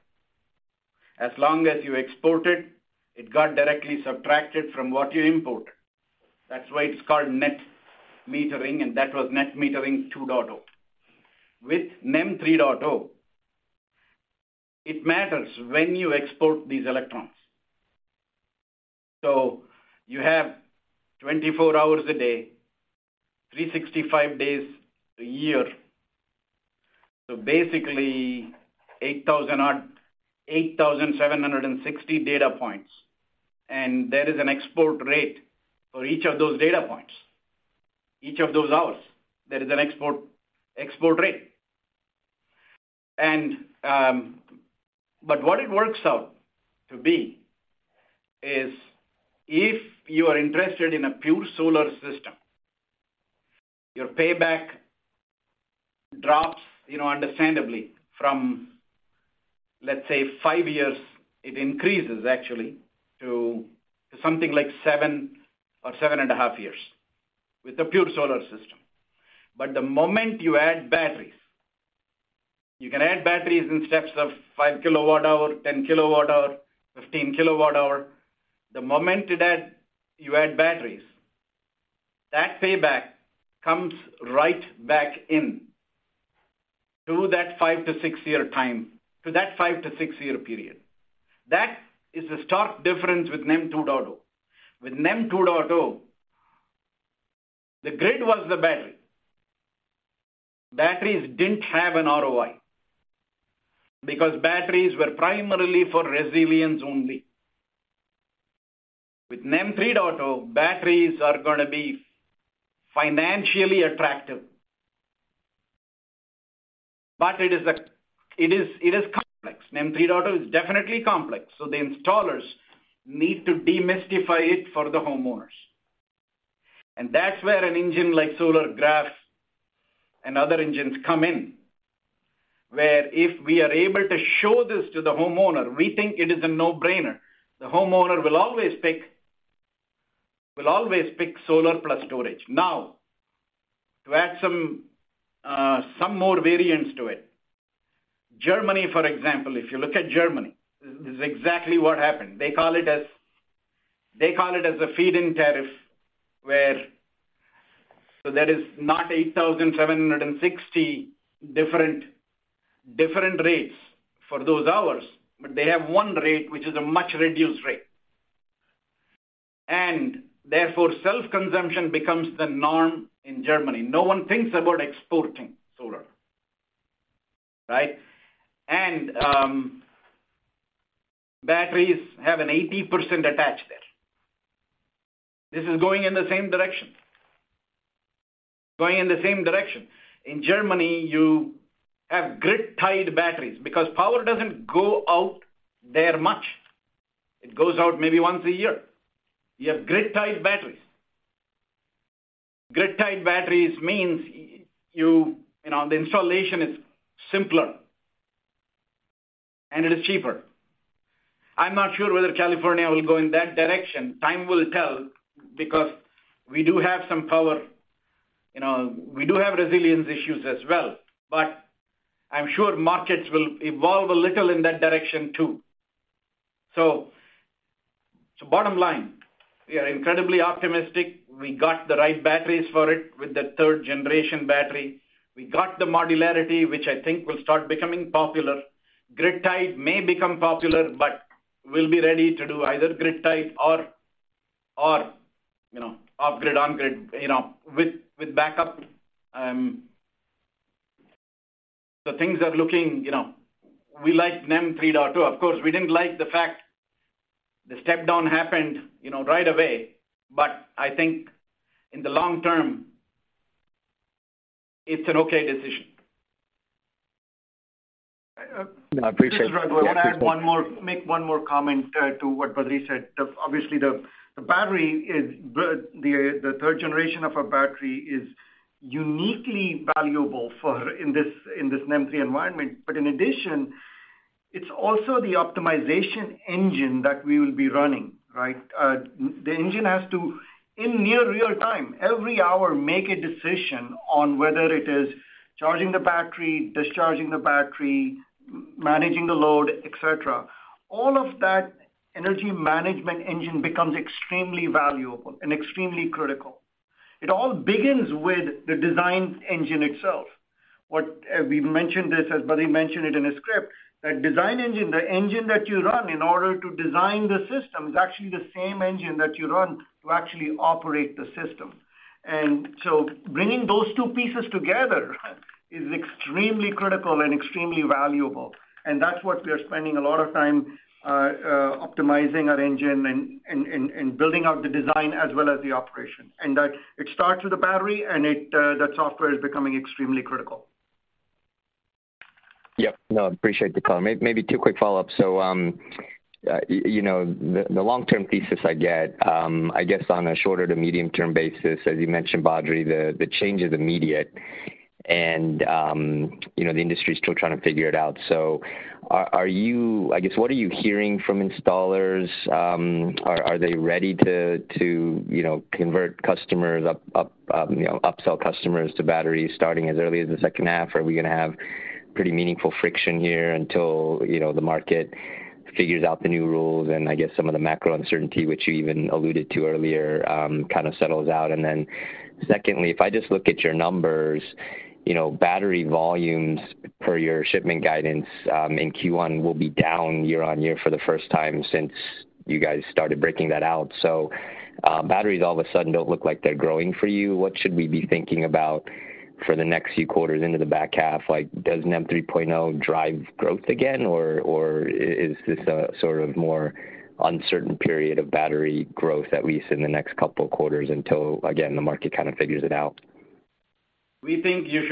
As long as you exported, it got directly subtracted from what you imported. That's why it's called net metering. That was NEM 2.0. With NEM 3.0, it matters when you export these electrons. You have 24 hours a day, 365 days a year. Basically 8,760 data points. There is an export rate for each of those data points. Each of those hours, there is an export rate. But what it works out to be is if you are interested in a pure solar system, your payback drops, you know, understandably from, let's say, five years, it increases actually to something like seven or seven and a half years with a pure solar system. The moment you add batteries, you can add batteries in steps of 5 kWh, 10 kWh, 15 kWh. The moment you add batteries, that payback comes right back in to that five to six year period. That is a stark difference with NEM 2.0. With NEM 2.0, the grid was the battery. Batteries didn't have an ROI because batteries were primarily for resilience only. With NEM 3.0, batteries are gonna be financially attractive. It is complex. NEM 3.0 is definitely complex. The installers need to demystify it for the homeowners. That's where an engine like Solargraf and other engines come in, where if we are able to show this to the homeowner, we think it is a no-brainer. The homeowner will always pick solar plus storage. To add some more variance to it. Germany, for example, if you look at Germany, this is exactly what happened. They call it as a feed-in tariff, there is not 8,760 different rates for those hours, but they have one rate which is a much reduced rate. Therefore, self-consumption becomes the norm in Germany. No one thinks about exporting solar, right? Batteries have an 80% attached there. This is going in the same direction. Going in the same direction. In Germany, you have grid-tied batteries because power doesn't go out there much. It goes out maybe once a year. You have grid-tied batteries. Grid-tied batteries means you know, the installation is simpler and it is cheaper. I'm not sure whether California will go in that direction. Time will tell because we do have some power, you know, we do have resilience issues as well, but I'm sure markets will evolve a little in that direction too. Bottom line, we are incredibly optimistic. We got the right batteries for it with the third generation battery. We got the modularity, which I think will start becoming popular. Grid-tied may become popular, but we'll be ready to do either grid-tied or, you know, off grid, on grid, you know, with backup. Things are looking, you know, we like NEM 3.0. Of course, we didn't like the fact the step down happened, you know, right away. I think in the long term, it's an okay decision. This is Raghu. I wanna make one more comment to what Badri said. The, obviously the battery is the third generation of our battery is uniquely valuable for in this, in this NEM 3.0 environment. In addition, it's also the optimization engine that we will be running, right? The engine has to, in near real time, every hour make a decision on whether it is charging the battery, discharging the battery, managing the load, et cetera. All of that energy management engine becomes extremely valuable and extremely critical. It all begins with the design engine itself. What we mentioned this as Badri mentioned it in his script, that design engine, the engine that you run in order to design the system, is actually the same engine that you run to actually operate the system. Bringing those two pieces together is extremely critical and extremely valuable. That's what we are spending a lot of time optimizing our engine and building out the design as well as the operation. It starts with a battery and it, that software is becoming extremely critical. Yeah. No, I appreciate the call. Maybe two quick follow-up. You know, the long term thesis I get, I guess on a shorter to medium term basis, as you mentioned, Badri, the change is immediate. You know, the industry is still trying to figure it out. I guess, what are you hearing from installers? Are they ready to, you know, convert customers up, you know, upsell customers to batteries starting as early as the second half? Are we gonna have pretty meaningful friction here until, you know, the market figures out the new rules and I guess some of the macro uncertainty which you even alluded to earlier, kind of settles out? Secondly, if I just look at your numbers, you know, battery volumes per your shipment guidance, in Q1 will be down year-on-year for the first time since you guys started breaking that out. Batteries all of a sudden don't look like they're growing for you. What should we be thinking about for the next few quarters into the back half? Like, does NEM 3.0 drive growth again, or is this a sort of more uncertain period of battery growth, at least in the next couple of quarters until, again, the market kind of figures it out? We think you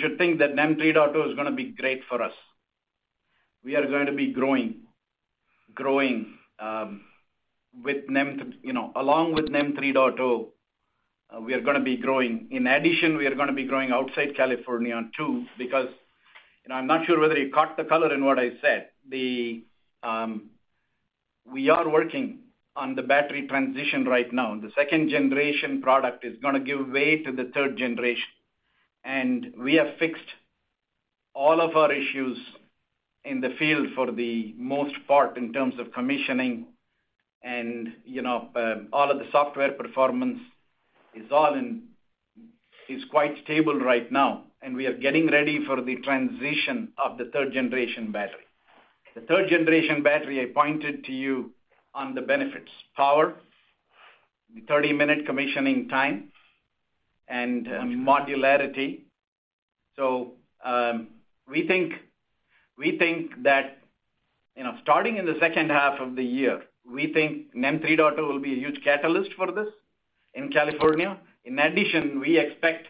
should think that NEM 3.0 is gonna be great for us. We are going to be growing, you know, along with NEM 3.0, we are gonna be growing. In addition, we are gonna be growing outside California on two, because... I'm not sure whether you caught the color in what I said. The, we are working on the battery transition right now. The second generation product is gonna give way to the third generation. We have fixed all of our issues in the field for the most part in terms of commissioning and, you know, all of the software performance is quite stable right now. We are getting ready for the transition of the third generation battery. The third-generation battery I pointed to you on the benefits, power, the 30-minute commissioning time, and modularity. We think that, you know, starting in the second half of the year, we think NEM 3.0 will be a huge catalyst for this in California. In addition, we expect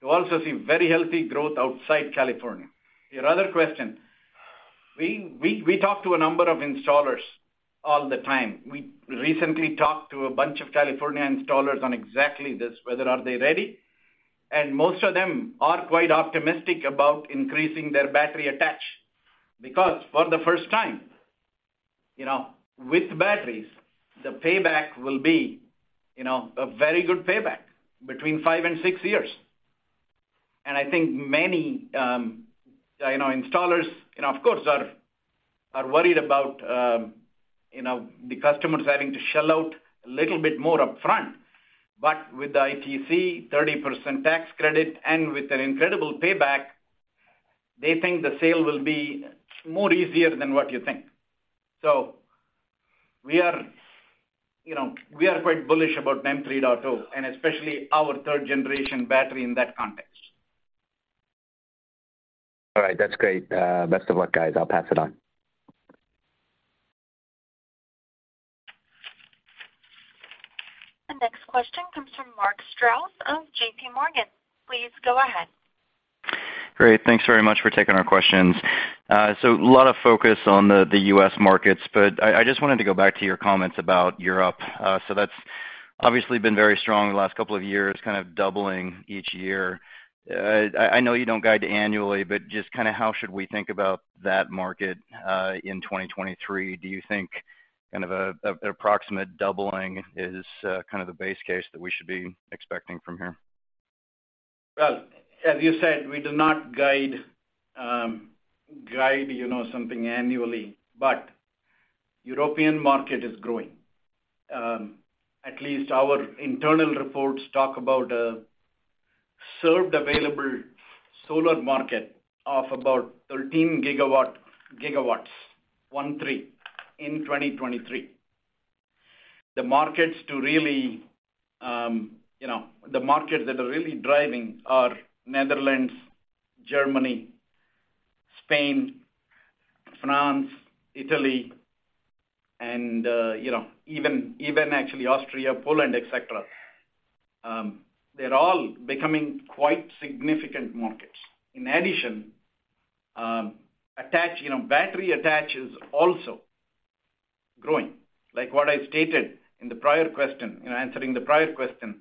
to also see very healthy growth outside California. Your other question. We talk to a number of installers all the time. We recently talked to a bunch of California installers on exactly this, whether are they ready. Most of them are quite optimistic about increasing their battery attach, because for the first time, you know, with batteries, the payback will be, you know, a very good payback between five and six years. I think many, you know, installers, you know, of course, are worried about, you know, the customers having to shell out a little bit more upfront. With the ITC 30% tax credit and with an incredible payback, they think the sale will be more easier than what you think. We are, you know, we are quite bullish about NEM 3.0, and especially our third generation battery in that context. All right. That's great. Best of luck, guys. I'll pass it on. The next question comes from Mark Strouse of JPMorgan Chase & Co. Please go ahead. Great. Thanks very much for taking our questions. A lot of focus on the U.S. markets, but I just wanted to go back to your comments about Europe. That's obviously been very strong the last couple of years, kind of doubling each year. I know you don't guide annually, but just kinda how should we think about that market, in 2023? Do you think kind of a, an approximate doubling is, kind of the base case that we should be expecting from here? Well, as you said, we do not guide, you know, something annually. European market is growing. At least our internal reports talk about a served available solar market of about 13 GW in 2023. The markets to really, you know, the markets that are really driving are Netherlands, Germany, Spain, France, Italy, and, you know, even actually Austria, Poland, et cetera. They're all becoming quite significant markets. In addition, you know, battery attach is also growing. Like what I stated in the prior question, you know, answering the prior question,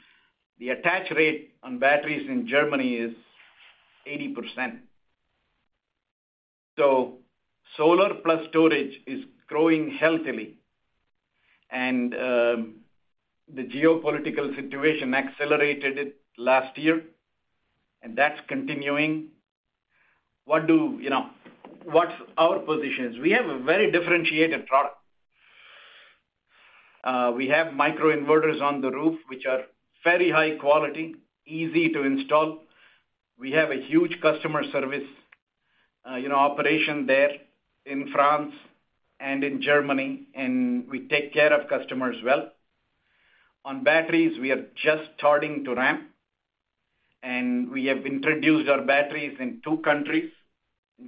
the attach rate on batteries in Germany is 80%. Solar plus storage is growing healthily. The geopolitical situation accelerated it last year, and that's continuing. You know, what's our positions? We have a very differentiated product. We have microinverters on the roof which are very high quality, easy to install. We have a huge customer service, you know, operation there in France and in Germany, and we take care of customers well. On batteries, we are just starting to ramp, and we have introduced our batteries in two countries,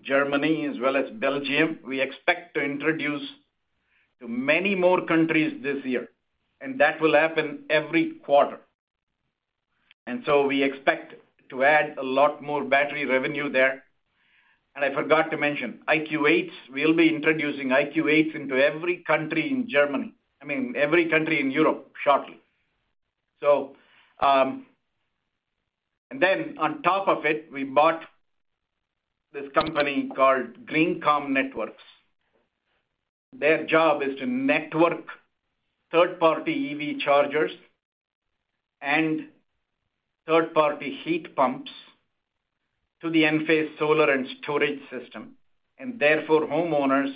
Germany as well as Belgium. We expect to introduce to many more countries this year, and that will happen every quarter. We expect to add a lot more battery revenue there. I forgot to mention, IQ8s, we'll be introducing IQ8s into every country in Germany. I mean, every country in Europe shortly. On top of it, we bought this company called GreenCom Networks. Their job is to network third-party EV chargers and third-party heat pumps to the Enphase solar and storage system. Therefore, homeowners,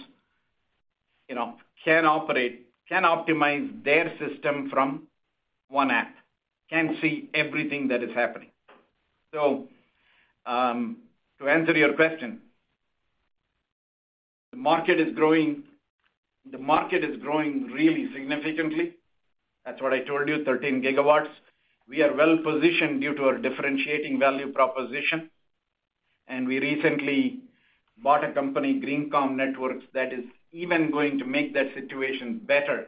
you know, can operate, can optimize their system from one app, can see everything that is happening. To answer your question, the market is growing, the market is growing really significantly. That's what I told you, 13 GW. We are well-positioned due to our differentiating value proposition, and we recently bought a company, GreenCom Networks, that is even going to make that situation better,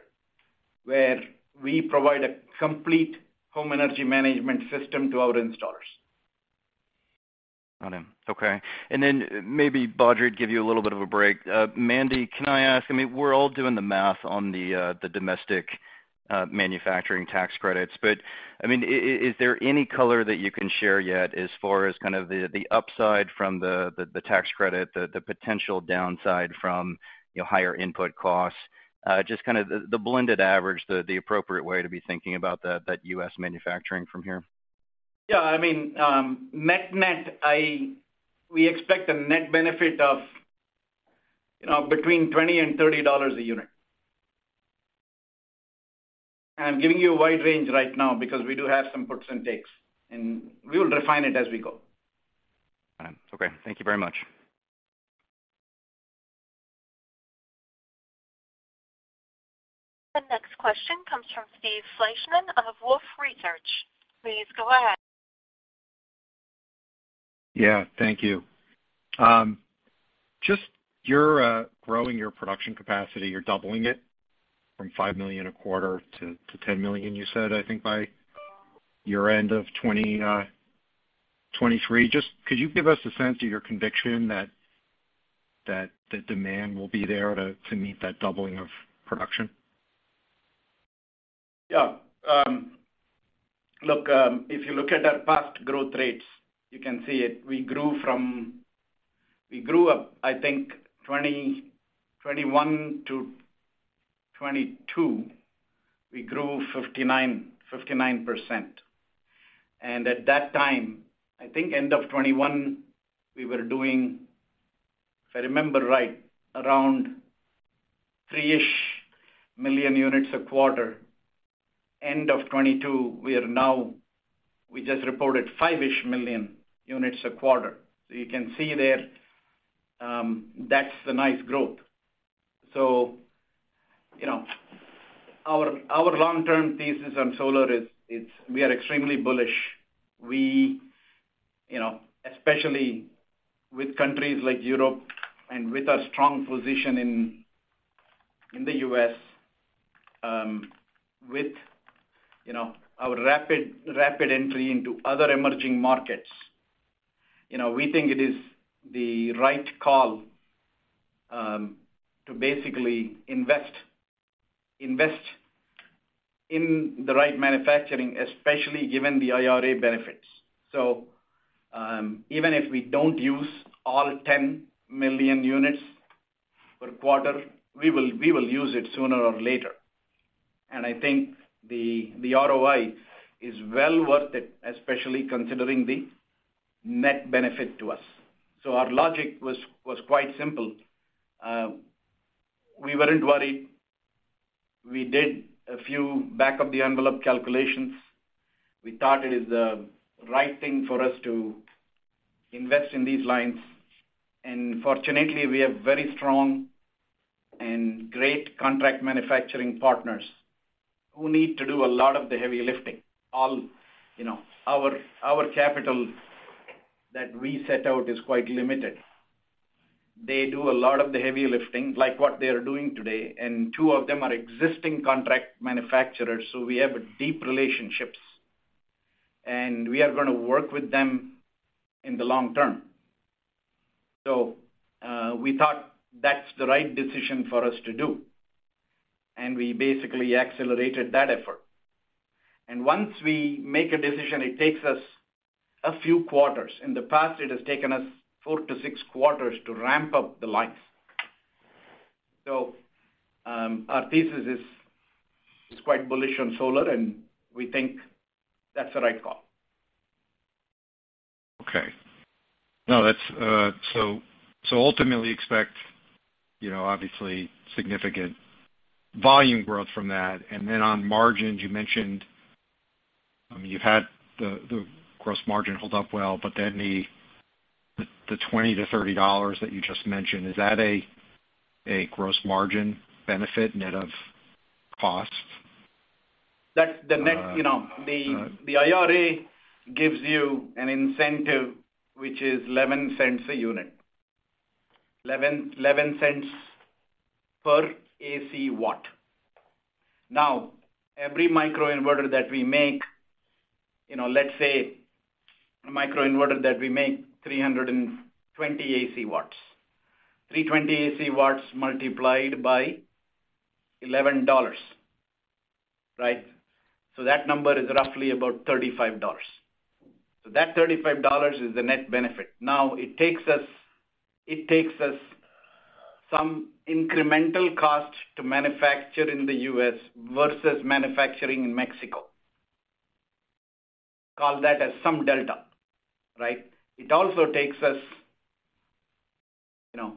where we provide a complete home energy management system to our installers. Got it. Okay. Then maybe Badri would give you a little bit of a break. Mandy, can I ask, I mean, we're all doing the math on the domestic manufacturing tax credits, I mean, is there any color that you can share yet as far as kind of the upside from the tax credit, the potential downside from, you know, higher input costs? Just kind of the blended average, the appropriate way to be thinking about that U.S. manufacturing from here. I mean, net-net, we expect a net benefit of, you know, between $20 and $30 a unit. I'm giving you a wide range right now because we do have some puts and takes, and we will refine it as we go. Got it. Okay. Thank you very much. The next question comes from Steve Fleishman of Wolfe Research. Please go ahead. Thank you. You're growing your production capacity, you're doubling it from 5 million a quarter to 10 million, you said, I think, by your end of 2023. Could you give us a sense of your conviction that the demand will be there to meet that doubling of production? Yeah. Look, if you look at our past growth rates, you can see it. We grew up, I think, 2021 to 2022, we grew 59%. At that time, I think end of 2021, we were doing, if I remember right, around 3-ish million units a quarter. End of 2022, we are now, we just reported 5-ish million units a quarter. You can see there, that's a nice growth. You know, our long-term thesis on solar is, we are extremely bullish. We, you know, especially with countries like Europe and with our strong position in the U.S., with, you know, our rapid entry into other emerging markets. You know, we think it is the right call, to basically invest in the right manufacturing, especially given the IRA benefits. Even if we don't use all 10 million units per quarter, we will use it sooner or later. I think the ROI is well worth it, especially considering the net benefit to us. Our logic was quite simple. We weren't worried. We did a few back of the envelope calculations. We thought it is the right thing for us to invest in these lines. Fortunately, we have very strong and great contract manufacturing partners who need to do a lot of the heavy lifting. You know, our capital that we set out is quite limited. They do a lot of the heavy lifting, like what they are doing today, and two of them are existing contract manufacturers, so we have deep relationships, and we are gonna work with them in the long term. We thought that's the right decision for us to do, and we basically accelerated that effort. Once we make a decision, it takes us a few quarters. In the past, it has taken us four to six quarters to ramp up the lines. Our thesis is quite bullish on solar, and we think that's the right call. Okay. No, that's. Ultimately expect, you know, obviously significant volume growth from that. On margins, you mentioned, I mean, you've had the gross margin hold up well, but then the $20-$30 that you just mentioned, is that a gross margin benefit net of costs? That the net, you know, the IRA gives you an incentive, which is $0.11 a unit. $0.11 per AC watt. Now, every microinverter that we make, you know, let's say a microinverter that we make 320 AC watts. 320 AC watts multiplied by $11, right? That number is roughly about $35. That $35 is the net benefit. Now it takes us some incremental cost to manufacture in the U.S. versus manufacturing in Mexico. Call that as some delta, right? It also takes us, you know,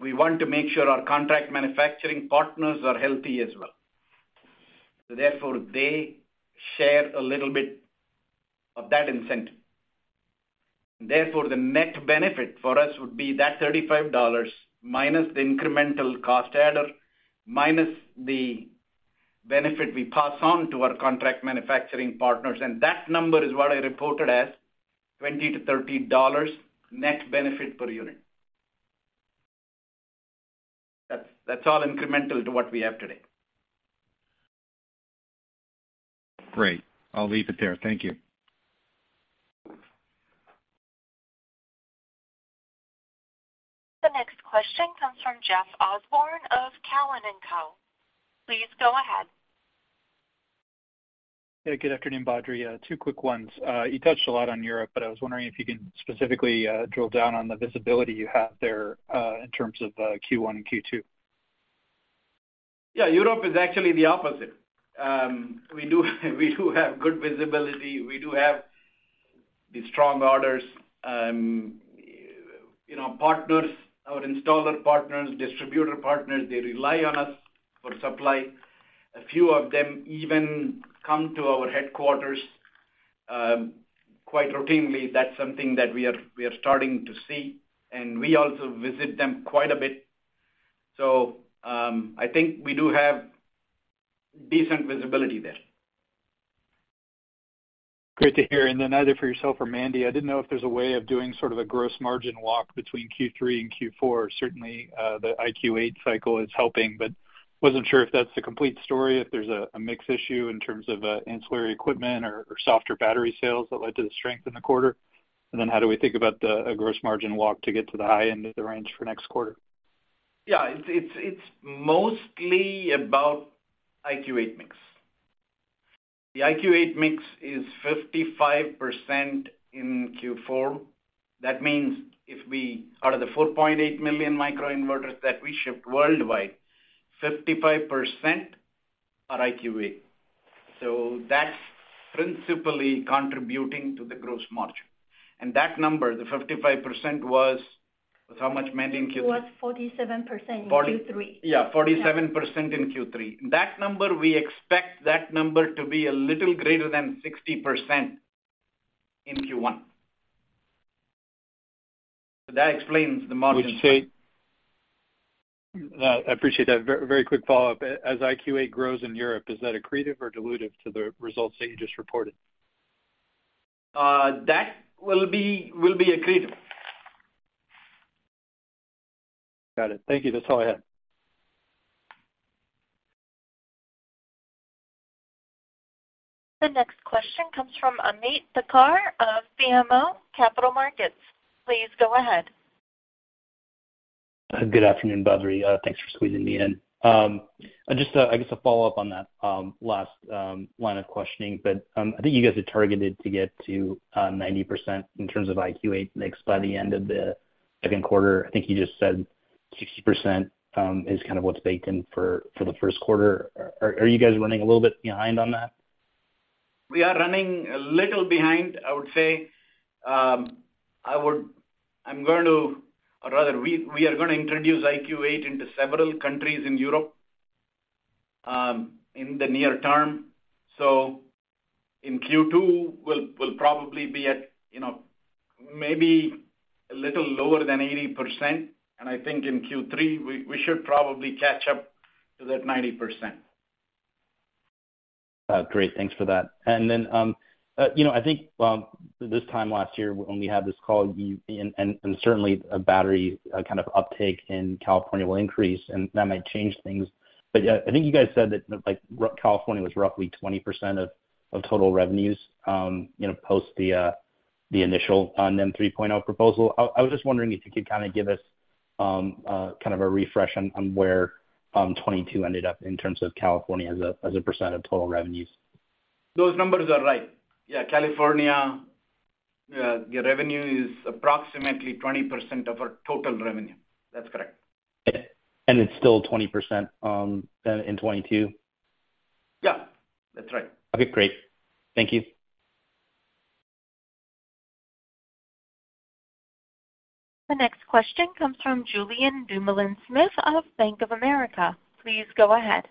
we want to make sure our contract manufacturing partners are healthy as well. Therefore, they share a little bit of that incentive. The net benefit for us would be that $35 minus the incremental cost adder, minus the benefit we pass on to our contract manufacturing partners. That number is what I reported as $20-$30 net benefit per unit. That's all incremental to what we have today. Great. I'll leave it there. Thank you. The next question comes from Jeff Osborne of Cowen and Co. Please go ahead. Hey, good afternoon, Badri. Two quick ones. You touched a lot on Europe, but I was wondering if you can specifically drill down on the visibility you have there, in terms of Q1 and Q2. Yeah. Europe is actually the opposite. We do have good visibility. We do have the strong orders. You know, partners, our installer partners, distributor partners, they rely on us for supply. A few of them even come to our headquarters, quite routinely. That's something that we are starting to see, and we also visit them quite a bit. I think we do have decent visibility there. Great to hear. Either for yourself or Mandy, I didn't know if there's a way of doing sort of a gross margin walk between Q3 and Q4. Certainly, the IQ8 cycle is helping, but wasn't sure if that's the complete story. If there's a mix issue in terms of ancillary equipment or softer battery sales that led to the strength in the quarter. How do we think about the gross margin walk to get to the high end of the range for next quarter? It's mostly about IQ8 mix. The IQ8 mix is 55% in Q4. That means out of the 4.8 million microinverters that we shipped worldwide, 55% are IQ8. That's principally contributing to the gross margin. That number, the 55% was how much, Mandy, in Q3? It was 47% in Q3. Yes. 47% in Q3. That number, we expect that number to be a little greater than 60% in Q1. That explains the margin. I appreciate that. A very quick follow-up. As IQ8 grows in Europe, is that accretive or dilutive to the results that you just reported? That will be accretive. Got it. Thank you. That's all I had. The next question comes from Ameet Thakkar of BMO Capital Markets. Please go ahead. Good afternoon, Badri. Thanks for squeezing me in. Just a, I guess a follow-up on that last line of questioning, but I think you guys had targeted to get to 90% in terms of IQ8 mix by the end of the second quarter. I think you just said 60% is kind of what's baked in for the first quarter. Are you guys running a little bit behind on that? We are running a little behind, I would say. Rather we are gonna introduce IQ8 into several countries in Europe, in the near term. In Q2, we'll probably be at, you know, maybe a little lower than 80%. I think in Q3, we should probably catch up to that 90%. Great. Thanks for that. You know, I think this time last year when we had this call, and certainly a battery kind of uptake in California will increase and that might change things. I think you guys said that like California was roughly 20% of total revenues, you know, post the initial NEM 3.0 proposal. I was just wondering if you could kind of give us kind of a refresh on where 2022 ended up in terms of California as a percent of total revenues. Those numbers are right. Yeah. California, the revenue is approximately 20% of our total revenue. That's correct. It's still 20%, then in 2022? Yeah, that's right. Okay, great. Thank you. The next question comes from Julien Dumoulin-Smith of Bank of America. Please go ahead.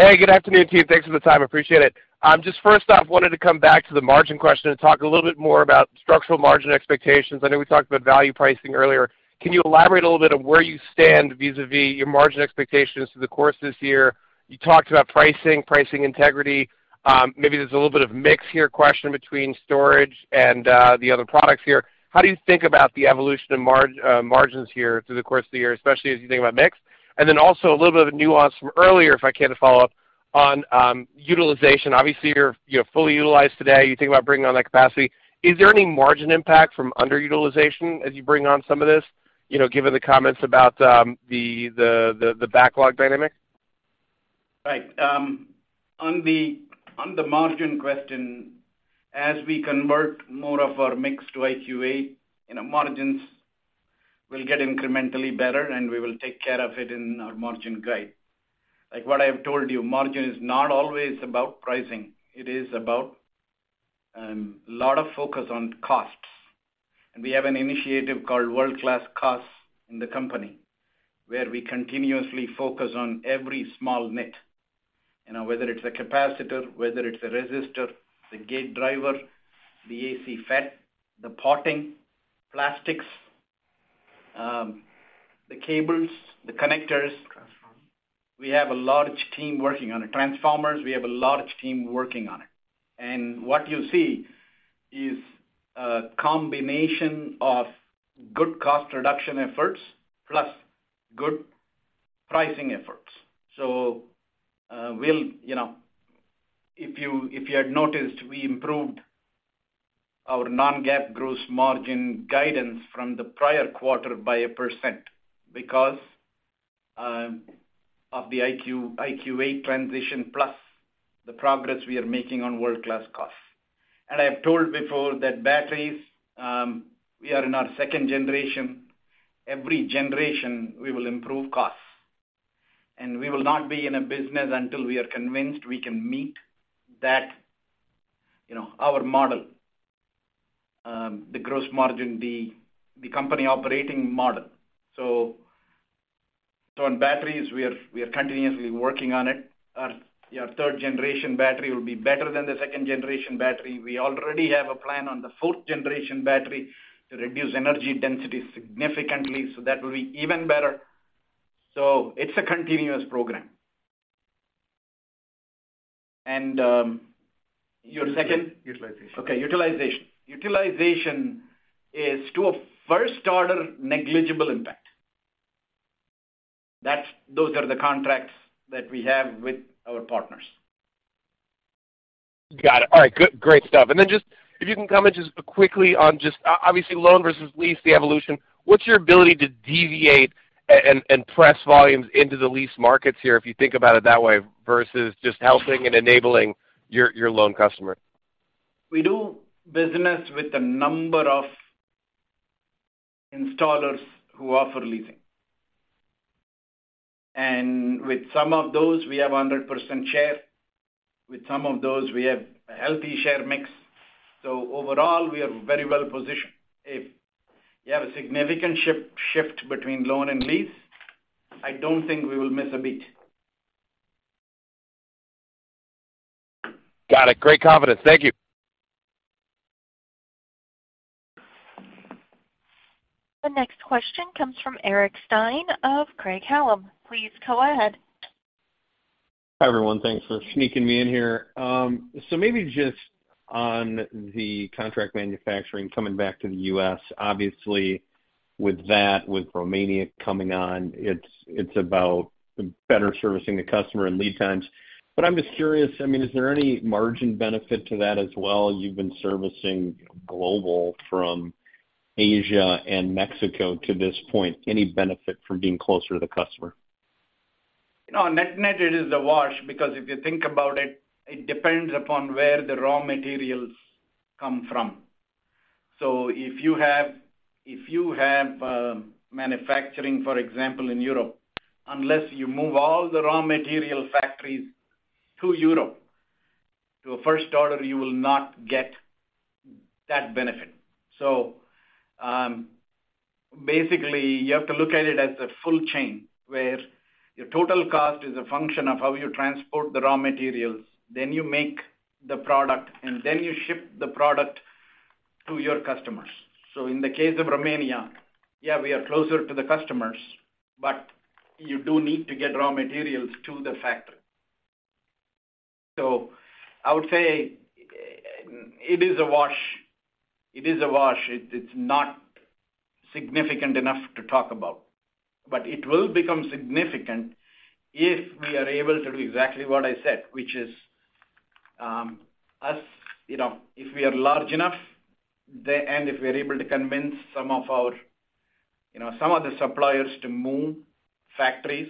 Hey, good afternoon, team. Thanks for the time. Appreciate it. Just first off, wanted to come back to the margin question and talk a little bit more about structural margin expectations. I know we talked about value pricing earlier. Can you elaborate a little bit on where you stand vis-à-vis your margin expectations through the course of this year? You talked about pricing integrity. Maybe there's a little bit of mix here question between storage and the other products here. How do you think about the evolution of margins here through the course of the year, especially as you think about mix? A little bit of a nuance from earlier, if I can follow up. On utilization, obviously, you're fully utilized today. You think about bringing on that capacity. Is there any margin impact from underutilization as you bring on some of this, you know, given the comments about, the backlog dynamic? Right. On the margin question, as we convert more of our mix to IQ8A, you know, margins will get incrementally better, and we will take care of it in our margin guide. Like what I have told you, margin is not always about pricing. It is about lot of focus on costs. We have an initiative called World-Class Costs in the company, where we continuously focus on every small nit, you know, whether it's a capacitor, whether it's a resistor, the gate driver, the AC FET, the potting, plastics, the cables, the connectors. Transformer. We have a large team working on it. Transformers, we have a large team working on it. What you see is a combination of good cost reduction efforts plus good pricing efforts. We'll, you know, if you, if you had noticed, we improved our non-GAAP gross margin guidance from the prior quarter by 1% because of the IQ8A transition, plus the progress we are making on World-Class Costs. I have told before that batteries, we are in our 2nd generation. Every generation, we will improve costs. We will not be in a business until we are convinced we can meet that, you know, our model, the gross margin, the company operating model. On batteries, we are continuously working on it. Our, your 3rd generation battery will be better than the 2nd generation battery. We already have a plan on the fourth generation battery to reduce energy density significantly, so that will be even better. It's a continuous program. Your second- Utilization. Okay, utilization. Utilization is to a first order, negligible impact. Those are the contracts that we have with our partners. Got it. Alright. Good. Great stuff. Then just, if you can comment just quickly on just obviously, loan versus lease, the evolution. What's your ability to deviate and press volumes into the lease markets here, if you think about it that way, versus just helping and enabling your loan customer? We do business with a number of installers who offer leasing. With some of those, we have 100% share. With some of those, we have a healthy share mix. Overall, we are very well positioned. If you have a significant shift between loan and lease, I don't think we will miss a beat. Got it. Great confidence. Thank you. The next question comes from Eric Stine of Craig-Hallum. Please go ahead. Hi, everyone. Thanks for sneaking me in here. Maybe just on the contract manufacturing coming back to the U.S. Obviously, with that, with Romania coming on, it's about better servicing the customer and lead times. I'm just curious, I mean, is there any margin benefit to that as well? You've been servicing global from Asia and Mexico to this point. Any benefit from being closer to the customer? No, net-net, it is a wash because if you think about it depends upon where the raw materials come from. If you have manufacturing, for example, in Europe, unless you move all the raw material factories to Europe, to a first order, you will not get that benefit. Basically, you have to look at it as a full chain, where your total cost is a function of how you transport the raw materials, then you make the product, and then you ship the product to your customers. In the case of Romania, yeah, we are closer to the customers, but you do need to get raw materials to the factory. I would say it is a wash. It's not significant enough to talk about. It will become significant if we are able to do exactly what I said, which is, us, you know, if we are large enough, and if we're able to convince some of our, you know, some of the suppliers to move factories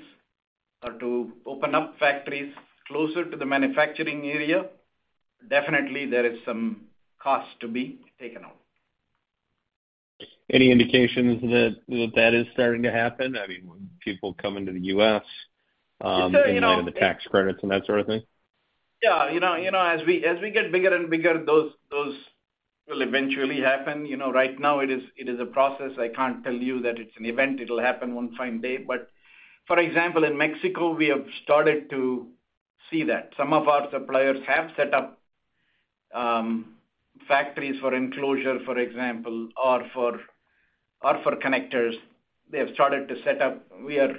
or to open up factories closer to the manufacturing area, definitely, there is some cost to be taken out. Any indications that that is starting to happen? I mean, people coming to the U.S., in light of the tax credits and that sort of thing. Yeah. You know, as we get bigger and bigger, those will eventually happen. You know, right now it is a process. I can't tell you that it's an event. It'll happen one fine day. For example, in Mexico, we have started to see that. Some of our suppliers have set up factories for enclosure, for example, or for connectors. They have started to set up. We are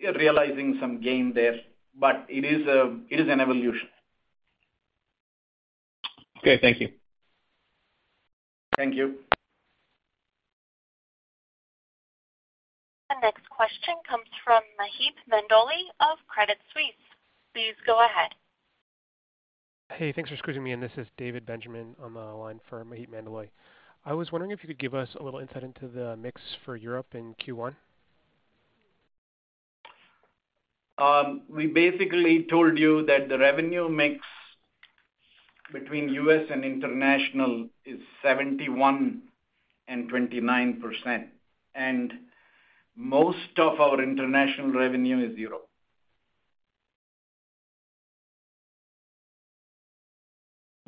realizing some gain there, but it is an evolution. Okay. Thank you. Thank you. The next question comes from Maheep Mandloi of Credit Suisse. Please go ahead. Hey, thanks for squeezing me in. This is David Benjamin on the line for Maheep Mandloi. I was wondering if you could give us a little insight into the mix for Europe in Q1. We basically told you that the revenue mix between U.S. and international is 71% and 29%, and most of our international revenue is Europe.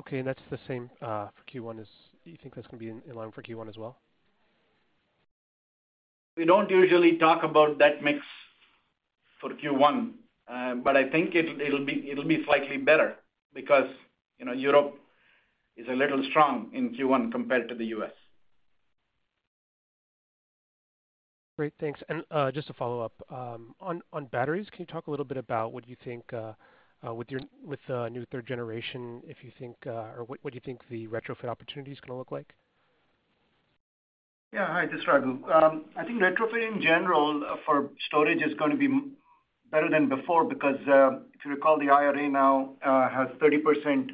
Okay. That's the same for Q1, you think that's gonna be in line for Q1 as well? We don't usually talk about that mix for Q1. I think it'll be slightly better because, you know, Europe is a little strong in Q1 compared to the U.S. Great. Thanks. Just to follow up, on batteries, can you talk a little bit about what you think, with the new third generation, if you think, or what you think the retrofit opportunity is gonna look like? Yeah. Hi, this is Raghu. I think retrofit in general for storage is gonna be better than before because if you recall, the IRA now has 30%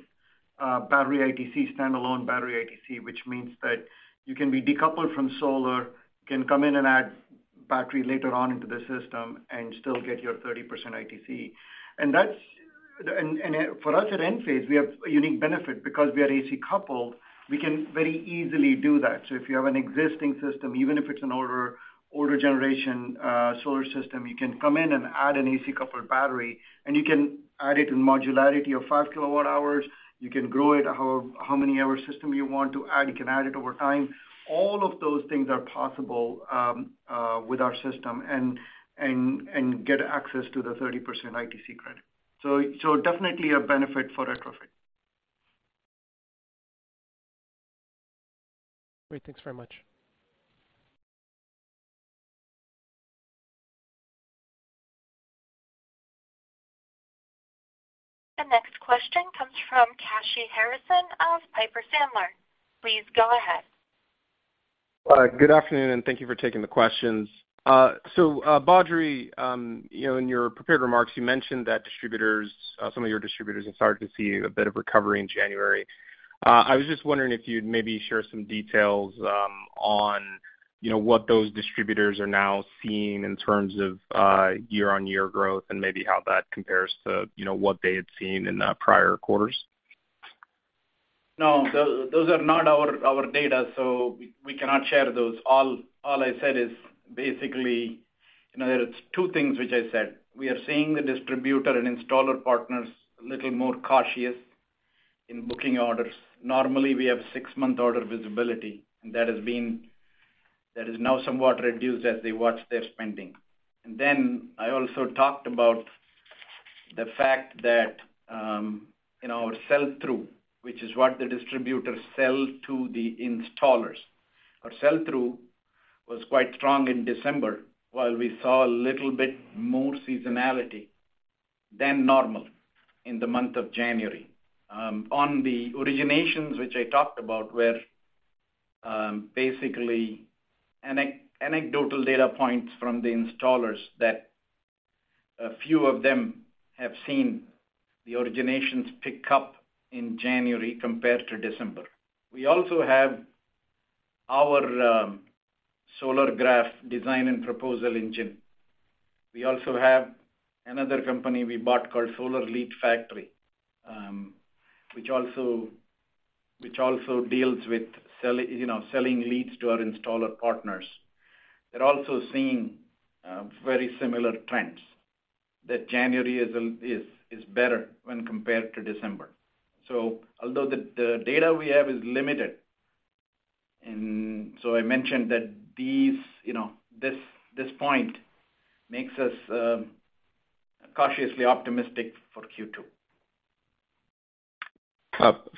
battery ITC, stand-alone battery ITC, which means that you can be decoupled from solar, can come in and add battery later on into the system and still get your 30% ITC. For us at Enphase, we have a unique benefit because we are AC-coupled, we can very easily do that. If you have an existing system, even if it's an older generation, solar system, you can come in and add an AC-coupled battery, you can add it in modularity of 5 kWh. You can grow it how many hour system you want to add. You can add it over time. All of those things are possible, with our system and get access to the 30% ITC credit. Definitely a benefit for retrofit. Great. Thanks very much. The next question comes from Kashy Harrison of Piper Sandler. Please go ahead. Good afternoon, and thank you for taking the questions. Badri, you know, in your prepared remarks, you mentioned that distributors, some of your distributors have started to see a bit of recovery in January. I was just wondering if you'd maybe share some details on, you know, what those distributors are now seeing in terms of year-on-year growth and maybe how that compares to, you know, what they had seen in the prior quarters. No. Those are not our data, so we cannot share those. All I said is basically, you know, there is two things which I said. We are seeing the distributor and installer partners a little more cautious in booking orders. Normally, we have six-month order visibility, that is now somewhat reduced as they watch their spending. Then I also talked about the fact that in our sell-through, which is what the distributors sell to the installers. Our sell-through was quite strong in December, while we saw a little bit more seasonality than normal in the month of January. On the originations which I talked about were basically anecdotal data points from the installers that a few of them have seen the originations pick up in January compared to December. We also have our Solargraf design and proposal engine. We also have another company we bought called SolarLeadFactory, which also deals with you know, selling leads to our installer partners. They're also seeing very similar trends that January is better when compared to December. Although the data we have is limited, I mentioned that these, you know, this point makes us cautiously optimistic for Q2.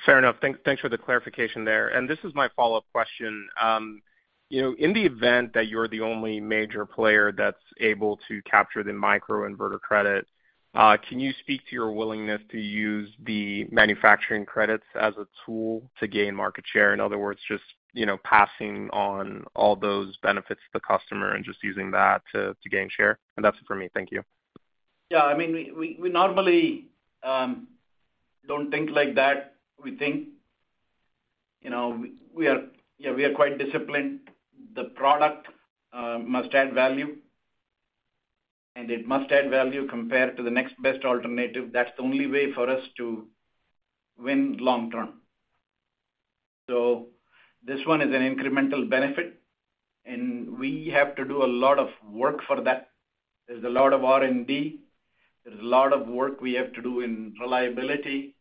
Fair enough. Thanks for the clarification there. This is my follow-up question. You know, in the event that you're the only major player that's able to capture the microinverter credit, can you speak to your willingness to use the manufacturing credits as a tool to gain market share? In other words, just, you know, passing on all those benefits to the customer and just using that to gain share. That's it for me. Thank you. Yeah. I mean, we normally don't think like that. We think, you know, Yeah, we are quite disciplined. The product must add value, and it must add value compared to the next best alternative. That's the only way for us to win long term. This one is an incremental benefit, and we have to do a lot of work for that. There's a lot of R&D. There's a lot of work we have to do in reliability,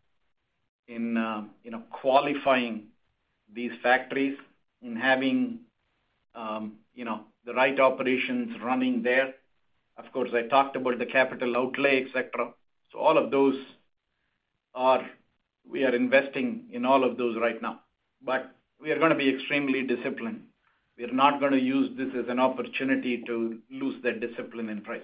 in, you know, qualifying these factories, in having, you know, the right operations running there. Of course, I talked about the capital outlay, et cetera. All of those are. We are investing in all of those right now. We are gonna be extremely disciplined. We are not gonna use this as an opportunity to lose the discipline in price.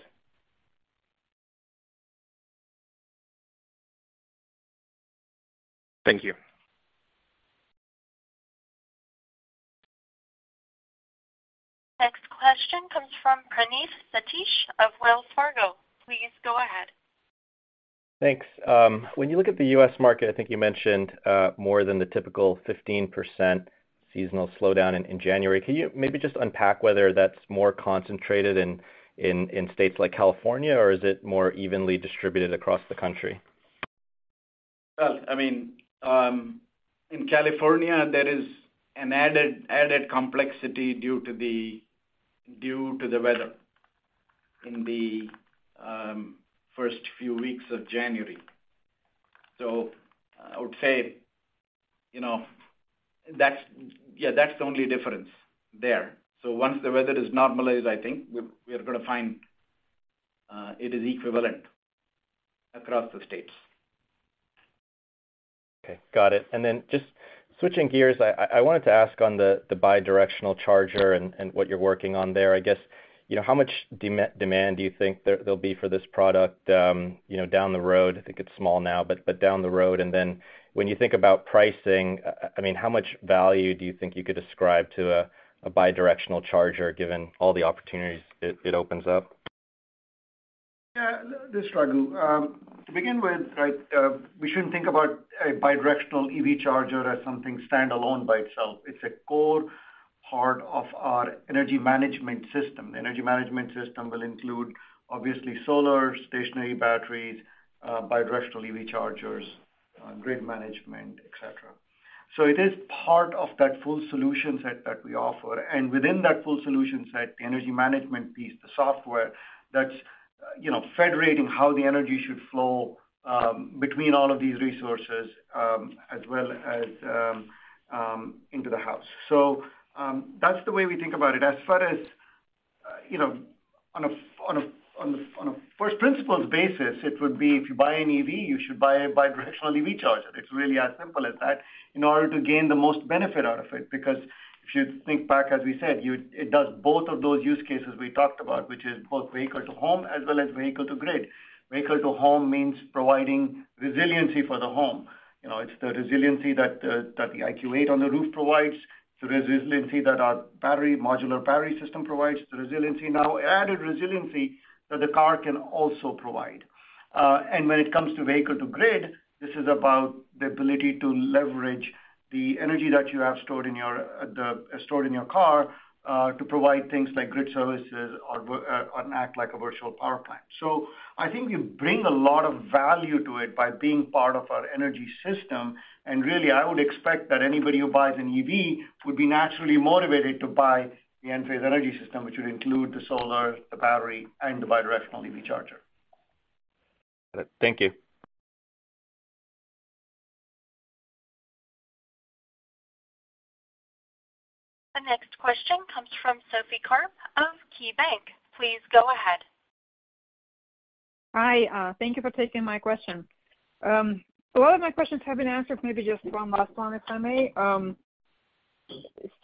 Thank you. Next question comes from Praneeth Satish of Wells Fargo. Please go ahead. Thanks. When you look at the U.S. market, I think you mentioned, more than the typical 15% seasonal slowdown in January. Can you maybe just unpack whether that's more concentrated in states like California or is it more evenly distributed across the country? Well, I mean, in California there is an added complexity due to the weather in the first few weeks of January. I would say, you know, that's, yeah, that's the only difference there. Once the weather is normalized, I think we are gonna find it is equivalent across the states. Okay, got it. Just switching gears, I wanted to ask on the bi-directional charger and what you're working on there. I guess, you know, how much demand do you think there'll be for this product, you know, down the road? I think it's small now, but down the road. When you think about pricing, I mean, how much value do you think you could ascribe to a bi-directional charger given all the opportunities it opens up? Yeah. This is Raghu. To begin with, right, we shouldn't think about a bi-directional EV charger as something standalone by itself. It's a core part of our energy management system. The energy management system will include obviously solar, stationary batteries, bi-directional EV chargers, grid management, et cetera. It is part of that full solution set that we offer. Within that full solution set, the energy management piece, the software that's, you know, federating how the energy should flow, between all of these resources, as well as, into the house. That's the way we think about it. As far as, you know, on a first principle's basis, it would be if you buy an EV, you should buy a bi-directional EV charger. It's really as simple as that in order to gain the most benefit out of it, because if you think back, as we said, it does both of those use cases we talked about, which is both vehicle-to-home as well as vehicle-to-grid. Vehicle-to-home means providing resiliency for the home. You know, it's the resiliency that the IQ8 on the roof provides, the resiliency that our battery, modular battery system provides, the resiliency now, added resiliency that the car can also provide. When it comes to vehicle-to-grid, this is about the ability to leverage the energy that you have stored in your stored in your car, to provide things like grid services or act like a virtual power plant. I think we bring a lot of value to it by being part of our energy system. Really, I would expect that anybody who buys an EV would be naturally motivated to buy the Enphase energy system, which would include the solar, the battery, and the bi-directional EV charger. Got it. Thank you. The next question comes from Sophie Karp of KeyBanc. Please go ahead. Hi, thank you for taking my question. A lot of my questions have been answered, maybe just one last one if I may.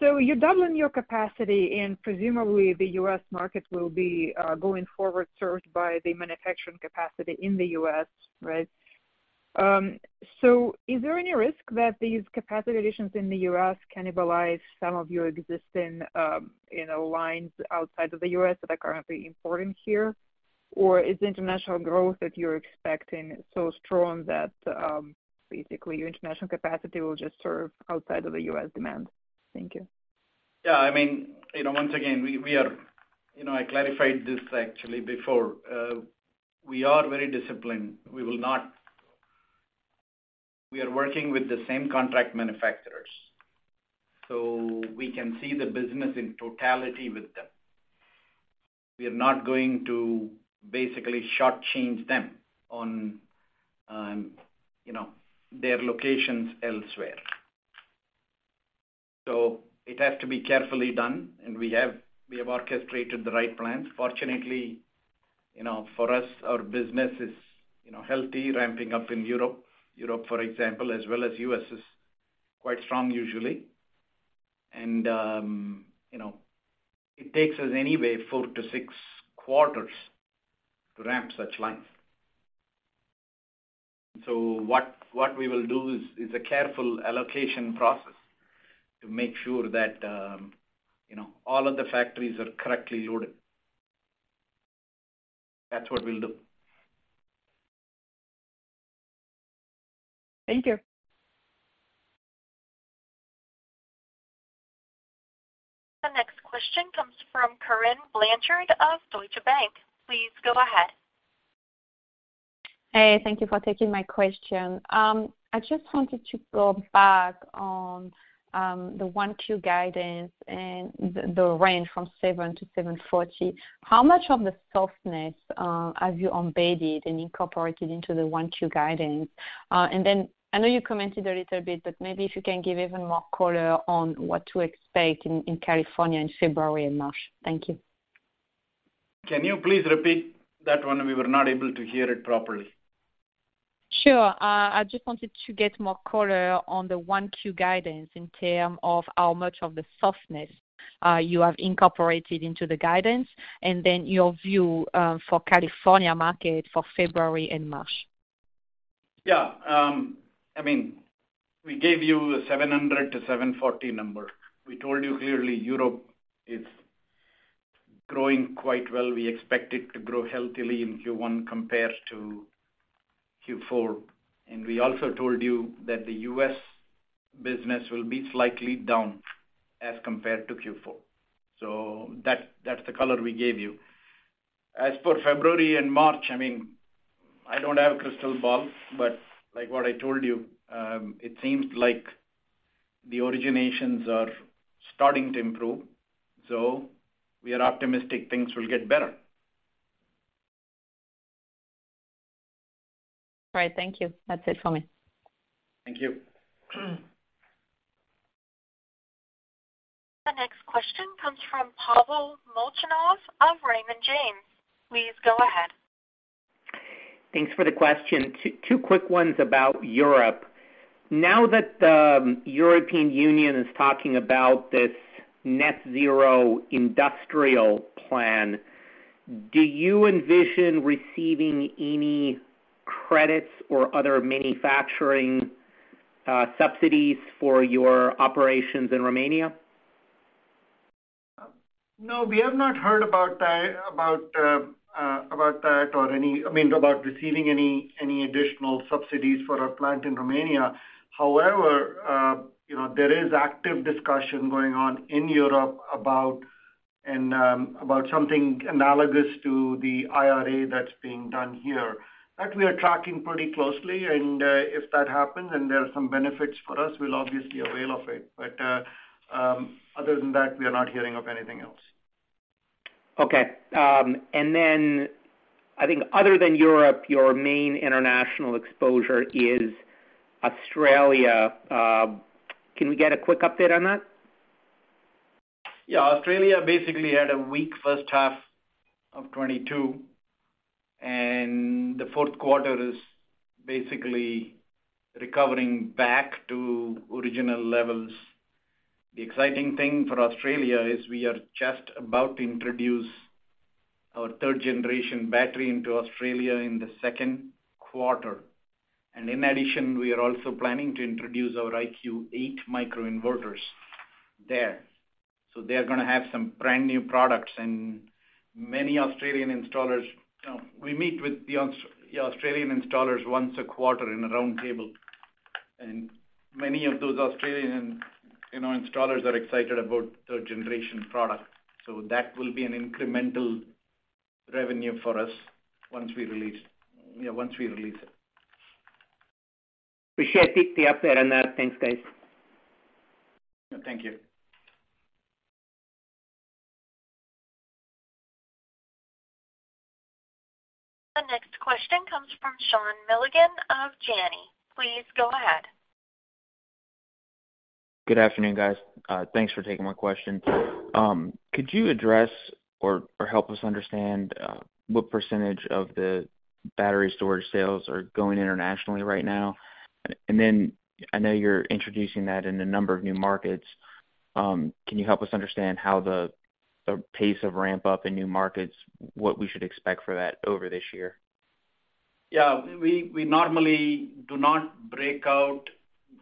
You're doubling your capacity and presumably the U.S. market will be going forward served by the manufacturing capacity in the U.S., right? Is there any risk that these capacity additions in the U.S. cannibalize some of your existing, you know, lines outside of the U.S. that are currently important here? Is the international growth that you're expecting so strong that basically your international capacity will just serve outside of the U.S. demand? Thank you. Yeah, I mean, you know, once again, we are, you know, I clarified this actually before. We are very disciplined. We are working with the same contract manufacturers, we can see the business in totality with them. We are not going to basically shortchange them on, you know, their locations elsewhere. It has to be carefully done and we have orchestrated the right plans. Fortunately, you know, for us our business is, you know, healthy, ramping up in Europe. Europe for example as well as U.S. is quite strong usually. It takes us anyway four to six quarters to ramp such lines. What we will do is a careful allocation process to make sure that, you know, all of the factories are correctly loaded. That's what we'll do. Thank you. The next question comes from Corinne Blanchard of Deutsche Bank. Please go ahead. Hey, thank you for taking my question. I just wanted to go back on the 1Q guidance and the range from $7-$740. How much of the softness have you embedded and incorporated into the 1Q guidance? Then I know you commented a little bit, but maybe if you can give even more color on what to expect in California in February and March. Thank you. Can you please repeat that one? We were not able to hear it properly. Sure. I just wanted to get more color on the 1Q guidance in terms of how much of the softness you have incorporated into the guidance, and then your view for California market for February and March. I mean, we gave you a $700 million-$740 million number. We told you clearly Europe is growing quite well. We expect it to grow healthily in Q1 compared to Q4. We also told you that the U.S. business will be slightly down as compared to Q4. That's the color we gave you. As for February and March, I mean, I don't have a crystal ball, but like what I told you, it seems like the originations are starting to improve. We are optimistic things will get better. All right, thank you. That's it for me. Thank you. The next question comes from Pavel Molchanov of Raymond James. Please go ahead. Thanks for the question. Two quick ones about Europe. Now that the European Union is talking about this net zero industrial plan, do you envision receiving any credits or other manufacturing subsidies for your operations in Romania? No, we have not heard about that, about about that or any additional subsidies for our plant in Romania. You know, there is active discussion going on in Europe about about something analogous to the IRA that's being done here. We are tracking pretty closely, and if that happens and there are some benefits for us, we'll obviously avail of it. Other than that, we are not hearing of anything else. Okay. I think other than Europe, your main international exposure is Australia. Can we get a quick update on that? Yeah. Australia basically had a weak first half of 2022, and the fourth quarter is basically recovering back to original levels. The exciting thing for Australia is we are just about to introduce our third generation battery into Australia in the second quarter. In addition, we are also planning to introduce our IQ8 microinverters there. They are gonna have some brand new products and many Australian installers. You know, we meet with the Australian installers once a quarter in a round table, and many of those Australian, you know, installers are excited about third generation products. That will be an incremental revenue for us once we release, yeah, once we release it. Appreciate the update on that. Thanks, guys. Thank you. The next question comes from Sean Milligan of Janney. Please go ahead. Good afternoon, guys. Thanks for taking my question. Could you address or help us understand what % of the battery storage sales are going internationally right now? I know you're introducing that in a number of new markets, can you help us understand how the pace of ramp up in new markets, what we should expect for that over this year? We normally do not break out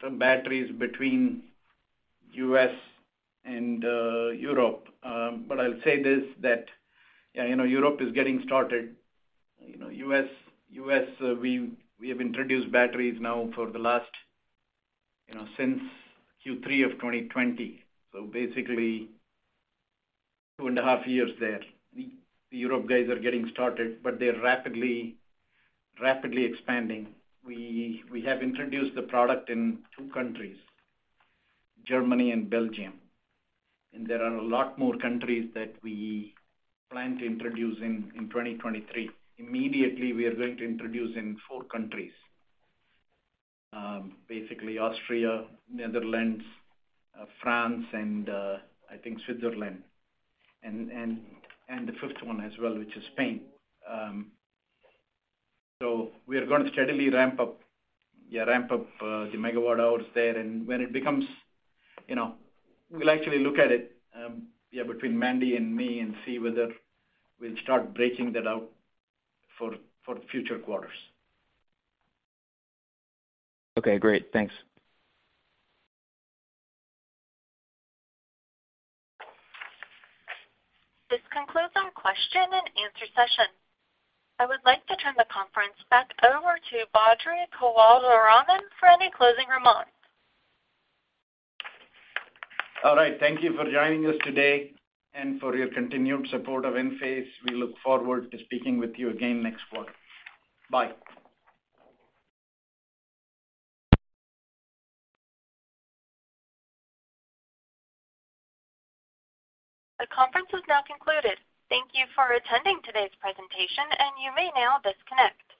the batteries between U.S. and Europe. I'll say this, you know, Europe is getting started. You know, U.S. we have introduced batteries now for the last, you know, since Q3 of 2020. Basically two and a half years there. The Europe guys are getting started, but they're rapidly expanding. We have introduced the product in two countries, Germany and Belgium. There are a lot more countries that we plan to introduce in 2023. Immediately, we are going to introduce in four countries, basically Austria, Netherlands, France and I think Switzerland and the fifth one as well, which is Spain. We are going to steadily ramp up the megawatt hours there. When it becomes, you know, we'll actually look at it, yeah, between Mandy and me and see whether we'll start breaking that out for future quarters. Okay, great. Thanks. This concludes our question and answer session. I would like to turn the conference back over to Badri Kothandaraman for any closing remarks. All right. Thank you for joining us today and for your continued support of Enphase. We look forward to speaking with you again next quarter. Bye. The conference is now concluded. Thank you for attending today's presentation, and you may now disconnect.